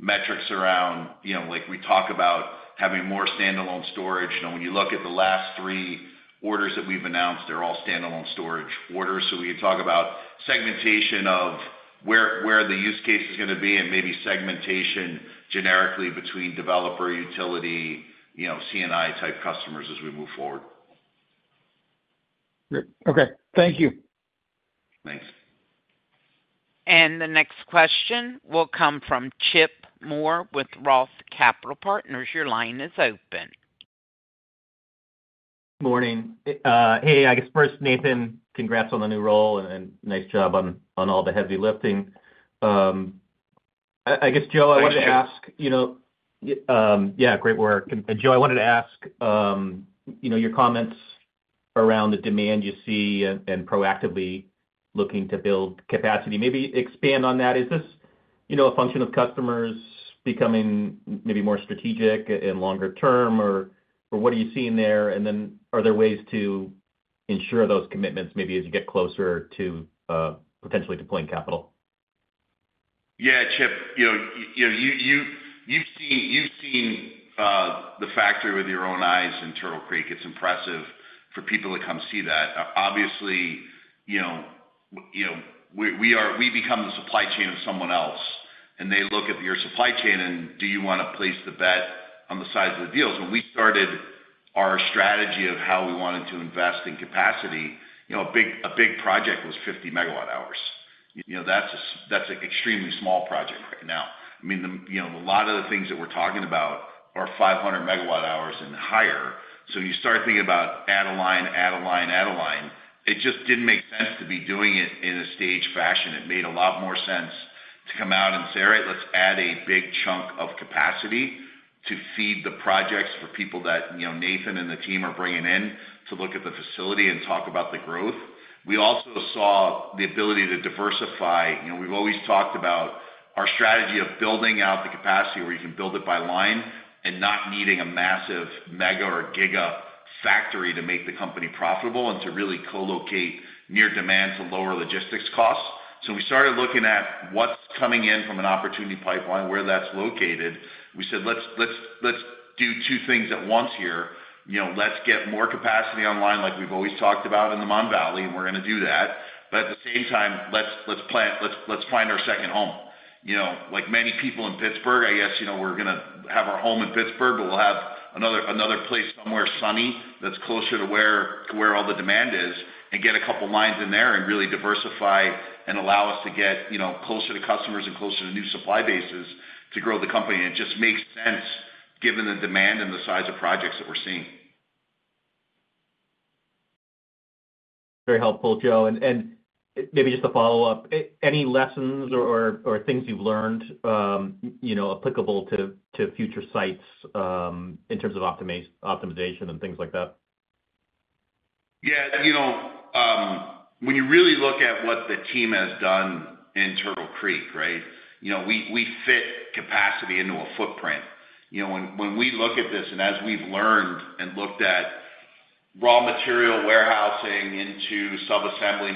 metrics around like we talk about having more standalone storage. When you look at the last three orders that we've announced, they're all standalone storage orders. We can talk about segmentation of where the use case is going to be and maybe segmentation generically between developer, utility, CNI-type customers as we move forward. Okay. Thank you. Thanks. The next question will come from Chip Moore with Roth Capital Partners. Your line is open. Morning. Hey, I guess first, Nathan, congrats on the new role and nice job on all the heavy lifting. I guess, Joe, I wanted to ask yeah, great work. Joe, I wanted to ask your comments around the demand you see and proactively looking to build capacity. Maybe expand on that. Is this a function of customers becoming maybe more strategic and longer term, or what are you seeing there? Are there ways to ensure those commitments maybe as you get closer to potentially deploying capital? Yeah, Chip, you've seen the factory with your own eyes in Turtle Creek. It's impressive for people to come see that. Obviously, we become the supply chain of someone else, and they look at your supply chain and do you want to place the bet on the size of the deals? When we started our strategy of how we wanted to invest in capacity, a big project was 50 megawatt hours. That's an extremely small project right now. I mean, a lot of the things that we're talking about are 500 megawatt hours and higher. When you start thinking about add a line, add a line, add a line, it just didn't make sense to be doing it in a staged fashion. It made a lot more sense to come out and say, "All right, let's add a big chunk of capacity to feed the projects for people that Nathan and the team are bringing in to look at the facility and talk about the growth." We also saw the ability to diversify. We've always talked about our strategy of building out the capacity where you can build it by line and not needing a massive mega or giga factory to make the company profitable and to really co-locate near demand to lower logistics costs. When we started looking at what's coming in from an opportunity pipeline, where that's located, we said, "Let's do two things at once here. Let's get more capacity online like we've always talked about in the Mon Valley, and we're going to do that. At the same time, let's find our second home. Like many people in Pittsburgh, I guess we're going to have our home in Pittsburgh, but we'll have another place somewhere sunny that's closer to where all the demand is and get a couple of lines in there and really diversify and allow us to get closer to customers and closer to new supply bases to grow the company. It just makes sense given the demand and the size of projects that we're seeing. Very helpful, Joe. Maybe just a follow-up, any lessons or things you've learned applicable to future sites in terms of optimization and things like that? Yeah. When you really look at what the team has done in Turtle Creek, right, we fit capacity into a footprint. When we look at this and as we've learned and looked at raw material warehousing into subassembly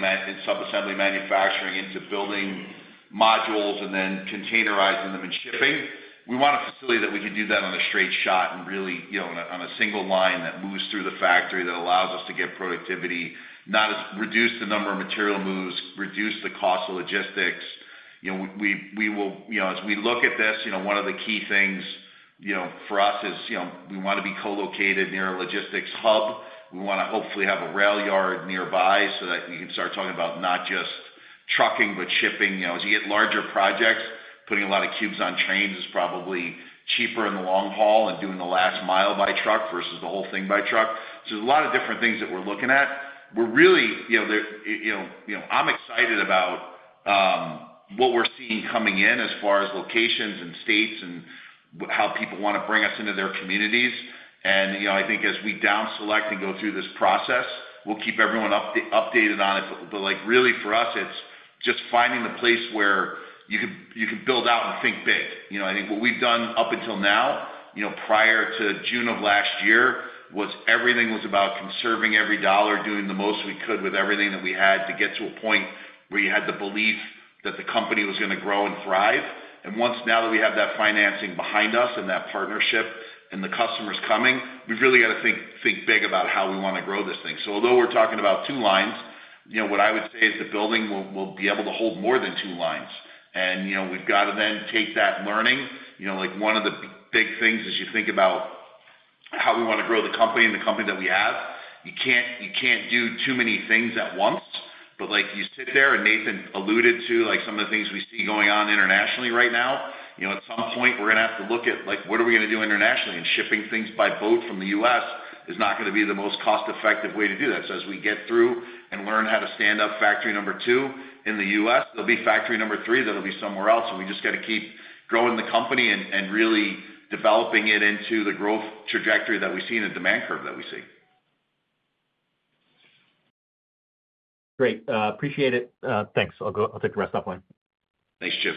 manufacturing, into building modules, and then containerizing them and shipping, we want a facility that we can do that on a straight shot and really on a single line that moves through the factory that allows us to get productivity, reduce the number of material moves, reduce the cost of logistics. We will, as we look at this, one of the key things for us is we want to be co-located near a logistics hub. We want to hopefully have a rail yard nearby so that we can start talking about not just trucking, but shipping. As you get larger projects, putting a lot of cubes on trains is probably cheaper in the long haul and doing the last mile by truck versus the whole thing by truck. There are a lot of different things that we're looking at. I'm really excited about what we're seeing coming in as far as locations and states and how people want to bring us into their communities. I think as we downselect and go through this process, we'll keep everyone updated on it. For us, it's just finding the place where you can build out and think big. I think what we've done up until now, prior to June of last year, was everything was about conserving every dollar, doing the most we could with everything that we had to get to a point where you had the belief that the company was going to grow and thrive. Once now that we have that financing behind us and that partnership and the customers coming, we've really got to think big about how we want to grow this thing. Although we're talking about two lines, what I would say is the building will be able to hold more than two lines. We've got to then take that learning. One of the big things as you think about how we want to grow the company and the company that we have, you can't do too many things at once. You sit there and Nathan alluded to some of the things we see going on internationally right now. At some point, we're going to have to look at what are we going to do internationally. Shipping things by boat from the U.S. is not going to be the most cost-effective way to do that. As we get through and learn how to stand up factory number two in the U.S., there will be factory number three that will be somewhere else. We just have to keep growing the company and really developing it into the growth trajectory that we see and the demand curve that we see. Great. Appreciate it. Thanks. I'll take the rest off mine. Thanks, Chip.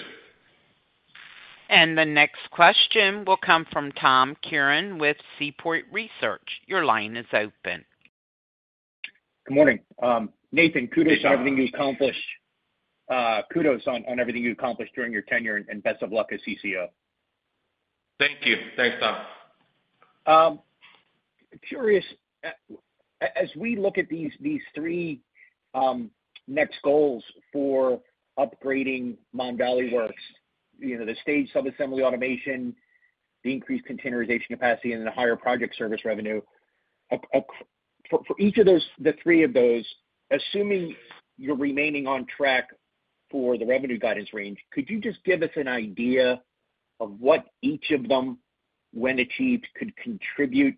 The next question will come from Tom Curran with Seaport Research. Your line is open. Good morning. Nathan, kudos on everything you've accomplished. Kudos on everything you've accomplished during your tenure and best of luck as CCO. Thank you. Thanks, Tom. Curious, as we look at these three next goals for upgrading Mon Valley Works, the staged subassembly automation, the increased containerization capacity, and the higher project service revenue, for each of the three of those, assuming you're remaining on track for the revenue guidance range, could you just give us an idea of what each of them, when achieved, could contribute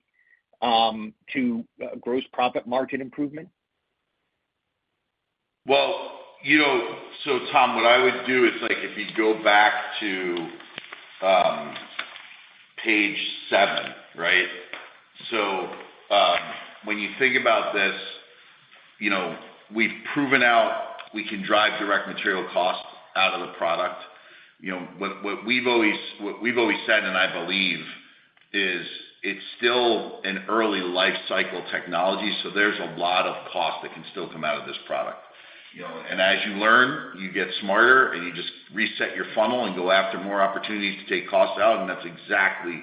to gross profit margin improvement? Tom, what I would do is if you go back to page seven, right? When you think about this, we've proven out we can drive direct material cost out of the product. What we've always said, and I believe, is it's still an early life cycle technology, so there's a lot of cost that can still come out of this product. As you learn, you get smarter, and you just reset your funnel and go after more opportunities to take cost out. That is exactly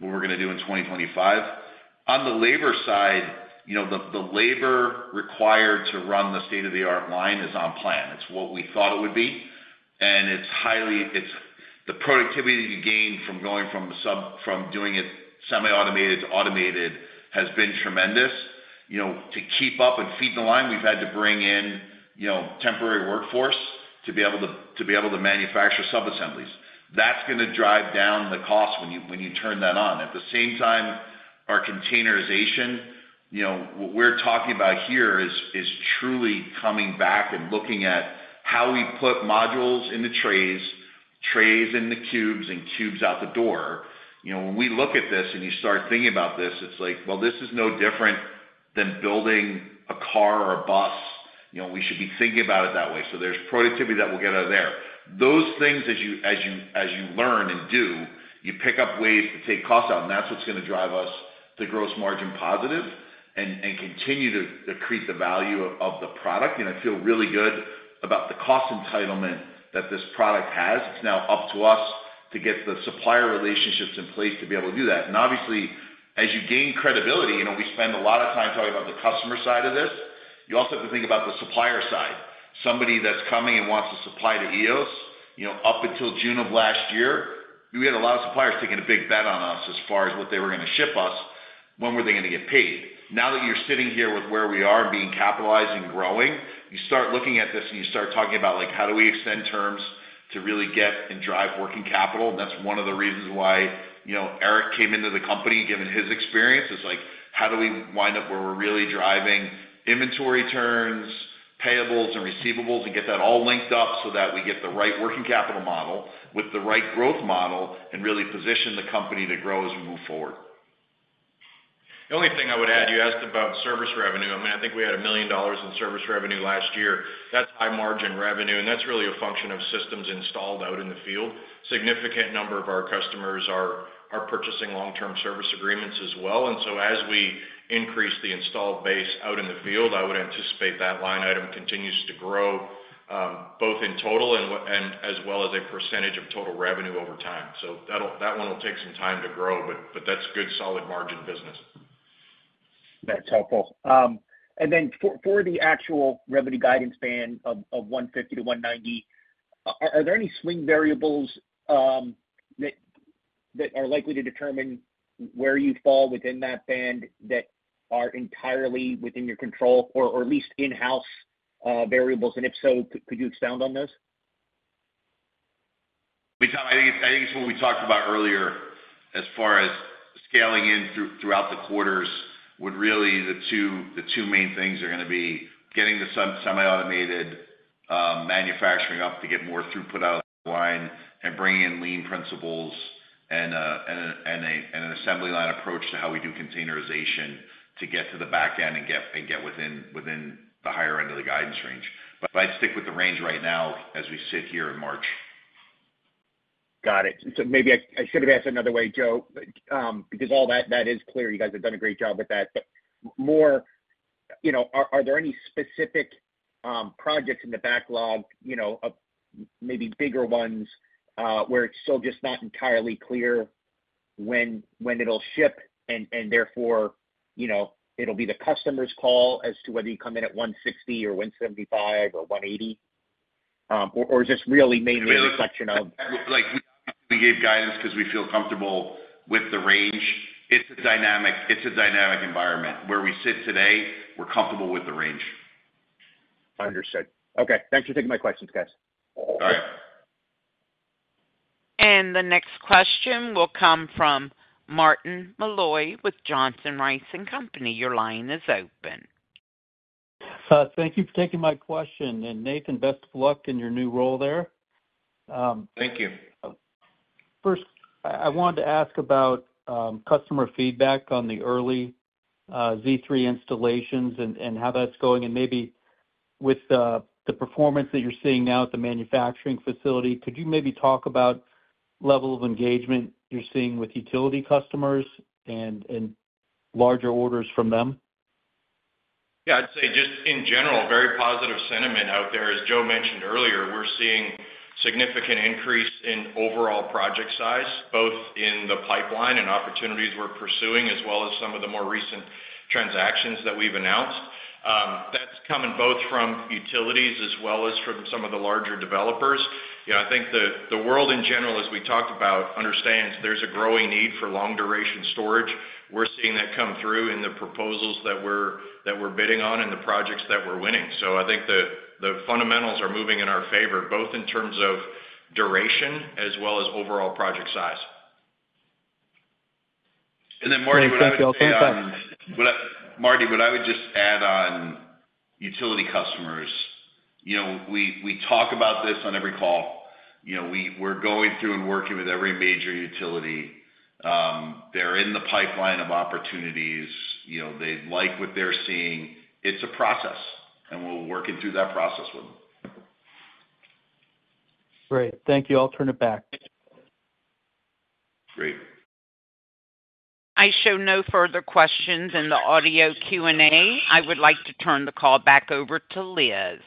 what we are going to do in 2025. On the labor side, the labor required to run the state-of-the-art line is on plan. It is what we thought it would be. The productivity that you gain from going from doing it semi-automated to automated has been tremendous. To keep up and feed the line, we have had to bring in temporary workforce to be able to manufacture subassemblies. That is going to drive down the cost when you turn that on. At the same time, our containerization, what we are talking about here is truly coming back and looking at how we put modules in the trays, trays in the cubes, and cubes out the door. When we look at this and you start thinking about this, it's like, this is no different than building a car or a bus. We should be thinking about it that way. There is productivity that we'll get out of there. Those things, as you learn and do, you pick up ways to take cost out. That is what's going to drive us to gross margin positive and continue to create the value of the product. I feel really good about the cost entitlement that this product has. It's now up to us to get the supplier relationships in place to be able to do that. Obviously, as you gain credibility, we spend a lot of time talking about the customer side of this. You also have to think about the supplier side. Somebody that's coming and wants to supply to Eos, up until June of last year, we had a lot of suppliers taking a big bet on us as far as what they were going to ship us. When were they going to get paid? Now that you're sitting here with where we are and being capitalized and growing, you start looking at this and you start talking about how do we extend terms to really get and drive working capital. That is one of the reasons why Eric came into the company, given his experience. It's like, how do we wind up where we're really driving inventory turns, payables, and receivables, and get that all linked up so that we get the right working capital model with the right growth model and really position the company to grow as we move forward? The only thing I would add, you asked about service revenue. I mean, I think we had $1 million in service revenue last year. That's high margin revenue. And that's really a function of systems installed out in the field. A significant number of our customers are purchasing long-term service agreements as well. As we increase the installed base out in the field, I would anticipate that line item continues to grow both in total and as well as a percentage of total revenue over time. That one will take some time to grow, but that's good solid margin business. That's helpful. For the actual revenue guidance band of $150 million-$190 million, are there any swing variables that are likely to determine where you fall within that band that are entirely within your control or at least in-house variables? If so, could you expound on those? I think it's what we talked about earlier as far as scaling in throughout the quarters would really be the two main things that are going to be getting the semi-automated manufacturing up to get more throughput out of the line and bringing in lean principles and an assembly line approach to how we do containerization to get to the back end and get within the higher end of the guidance range. I'd stick with the range right now as we sit here in March. Got it. Maybe I should have asked another way, Joe, because all that is clear. You guys have done a great job with that. Are there any specific projects in the backlog, maybe bigger ones where it's still just not entirely clear when it'll ship and therefore it'll be the customer's call as to whether you come in at 160 or 175 or 180? Or is this really mainly a section of- We gave guidance because we feel comfortable with the range? It's a dynamic environment. Where we sit today, we're comfortable with the range. Understood. Okay. Thanks for taking my questions, guys. All right. The next question will come from Martin Malloy with Johnson Rice & Company. Your line is open. Thank you for taking my question. Nathan, best of luck in your new role there. Thank you. First, I wanted to ask about customer feedback on the early Z3 installations and how that's going. Maybe with the performance that you're seeing now at the manufacturing facility, could you maybe talk about the level of engagement you're seeing with utility customers and larger orders from them? Yeah. I'd say just in general, very positive sentiment out there. As Joe mentioned earlier, we're seeing a significant increase in overall project size, both in the pipeline and opportunities we're pursuing, as well as some of the more recent transactions that we've announced. That's coming both from utilities as well as from some of the larger developers. I think the world in general, as we talked about, understands there's a growing need for long-duration storage. We're seeing that come through in the proposals that we're bidding on and the projects that we're winning. I think the fundamentals are moving in our favor, both in terms of duration as well as overall project size. Marty, what I would say is— Marty, I would just add on utility customers. We talk about this on every call. We're going through and working with every major utility. They're in the pipeline of opportunities. They like what they're seeing. It's a process, and we're working through that process with them. Great. Thank you. I'll turn it back. Great. I show no further questions in the audio Q&A. I would like to turn the call back over to Liz.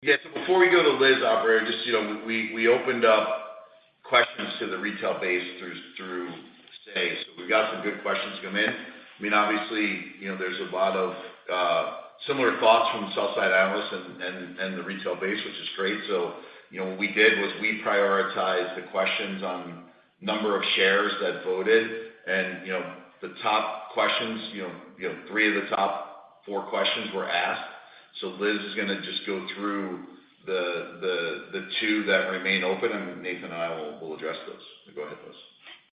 Yeah. Before we go to Liz, I'll bring just—we opened up questions to the retail base through today. We've got some good questions come in. I mean, obviously, there's a lot of similar thoughts from Southside Analyst and the retail base, which is great. What we did was we prioritized the questions on the number of shares that voted. The top questions, three of the top four questions were asked. Liz is going to just go through the two that remain open, and Nathan and I will address those. Go ahead, Liz.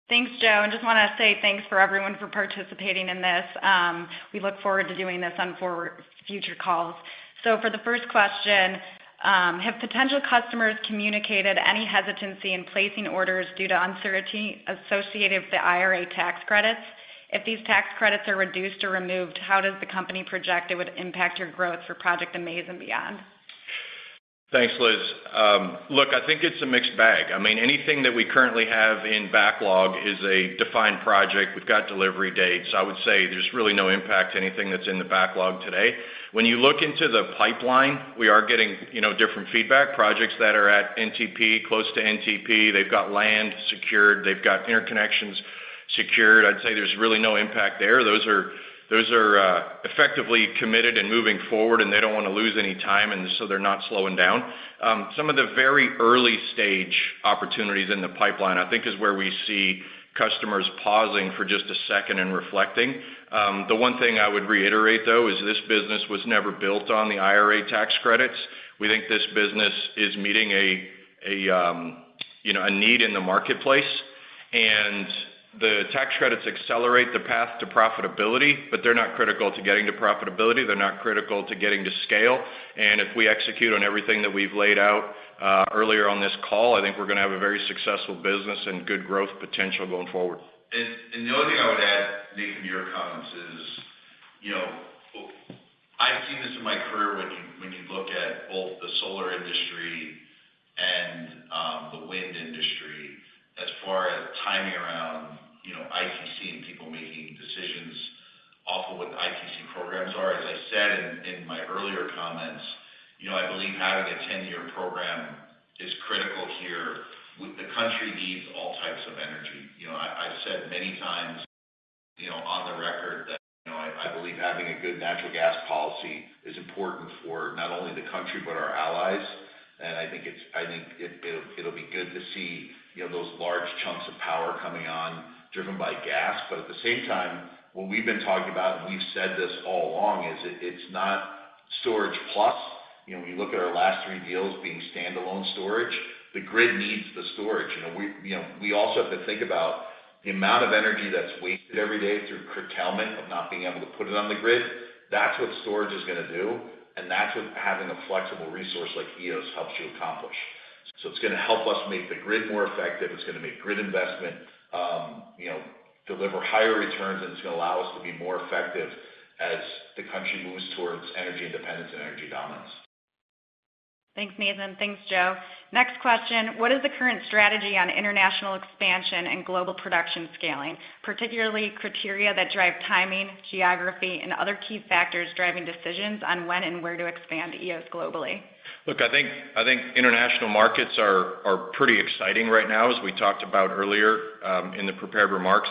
Thanks, Joe. I just want to say thanks for everyone for participating in this. We look forward to doing this on future calls. For the first question, have potential customers communicated any hesitancy in placing orders due to uncertainty associated with the IRA tax credits? If these tax credits are reduced or removed, how does the company project it would impact your growth for Project Amaze and beyond? Thanks, Liz. Look, I think it's a mixed bag. I mean, anything that we currently have in backlog is a defined project. We've got delivery dates. I would say there's really no impact to anything that's in the backlog today. When you look into the pipeline, we are getting different feedback. Projects that are at NTP, close to NTP, they've got land secured. They've got interconnections secured. I'd say there's really no impact there. Those are effectively committed and moving forward, and they don't want to lose any time, so they're not slowing down. Some of the very early-stage opportunities in the pipeline, I think, is where we see customers pausing for just a second and reflecting. The one thing I would reiterate, though, is this business was never built on the IRA tax credits. We think this business is meeting a need in the marketplace. The tax credits accelerate the path to profitability, but they're not critical to getting to profitability. They're not critical to getting to scale. If we execute on everything that we've laid out earlier on this call, I think we're going to have a very successful business and good growth potential going forward. The only thing I would add, Nathan, to your comments is I've seen this in my career when you look at both the solar industry and the wind industry as far as timing around ITC and people making decisions off of what the ITC programs are. As I said in my earlier comments, I believe having a 10-year program is critical here. The country needs all types of energy. I've said many times on the record that I believe having a good natural gas policy is important for not only the country but our allies. I think it'll be good to see those large chunks of power coming on driven by gas. At the same time, what we've been talking about, and we've said this all along, is it's not storage plus. When you look at our last three deals being standalone storage, the grid needs the storage. We also have to think about the amount of energy that's wasted every day through curtailment of not being able to put it on the grid. That's what storage is going to do. That's what having a flexible resource like Eos helps you accomplish. It is going to help us make the grid more effective. It is going to make grid investment deliver higher returns, and it is going to allow us to be more effective as the country moves towards energy independence and energy dominance. Thanks, Nathan. Thanks, Joe. Next question. What is the current strategy on international expansion and global production scaling, particularly criteria that drive timing, geography, and other key factors driving decisions on when and where to expand Eos globally? Look, I think international markets are pretty exciting right now, as we talked about earlier in the prepared remarks.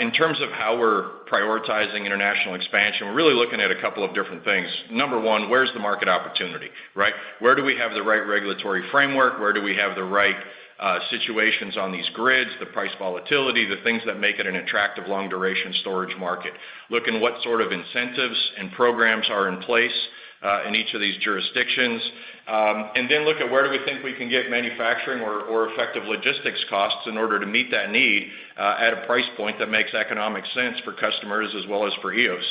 In terms of how we're prioritizing international expansion, we're really looking at a couple of different things. Number one, where's the market opportunity, right? Where do we have the right regulatory framework? Where do we have the right situations on these grids, the price volatility, the things that make it an attractive long-duration storage market? Look at what sort of incentives and programs are in place in each of these jurisdictions. Look at where do we think we can get manufacturing or effective logistics costs in order to meet that need at a price point that makes economic sense for customers as well as for Eos.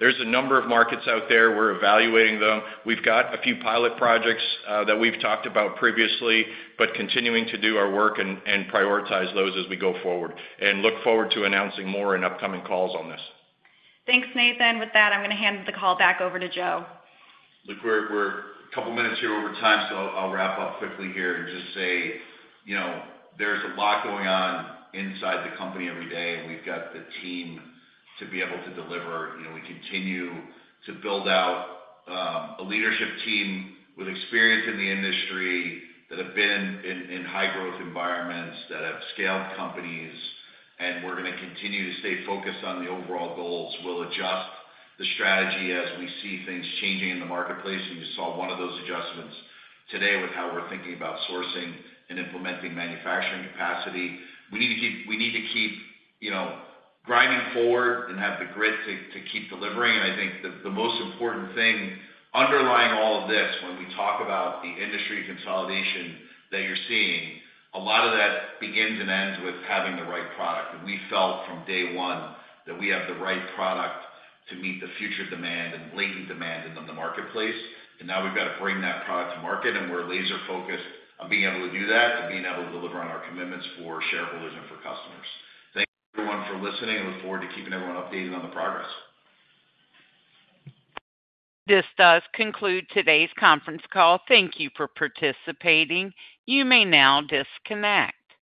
There are a number of markets out there. We are evaluating them. We have got a few pilot projects that we have talked about previously, but continuing to do our work and prioritize those as we go forward and look forward to announcing more in upcoming calls on this. Thanks, Nathan. With that, I am going to hand the call back over to Joe. We are a couple of minutes here over time, so I will wrap up quickly here and just say there is a lot going on inside the company every day. We have got the team to be able to deliver. We continue to build out a leadership team with experience in the industry that have been in high-growth environments, that have scaled companies. We are going to continue to stay focused on the overall goals. We will adjust the strategy as we see things changing in the marketplace. You saw one of those adjustments today with how we are thinking about sourcing and implementing manufacturing capacity. We need to keep grinding forward and have the grit to keep delivering. I think the most important thing underlying all of this, when we talk about the industry consolidation that you are seeing, a lot of that begins and ends with having the right product. We felt from day one that we have the right product to meet the future demand and latent demand in the marketplace. Now we have to bring that product to market. We're laser-focused on being able to do that and being able to deliver on our commitments for shareholders and for customers. Thank you, everyone, for listening. I look forward to keeping everyone updated on the progress. This does conclude today's conference call. Thank you for participating. You may now disconnect.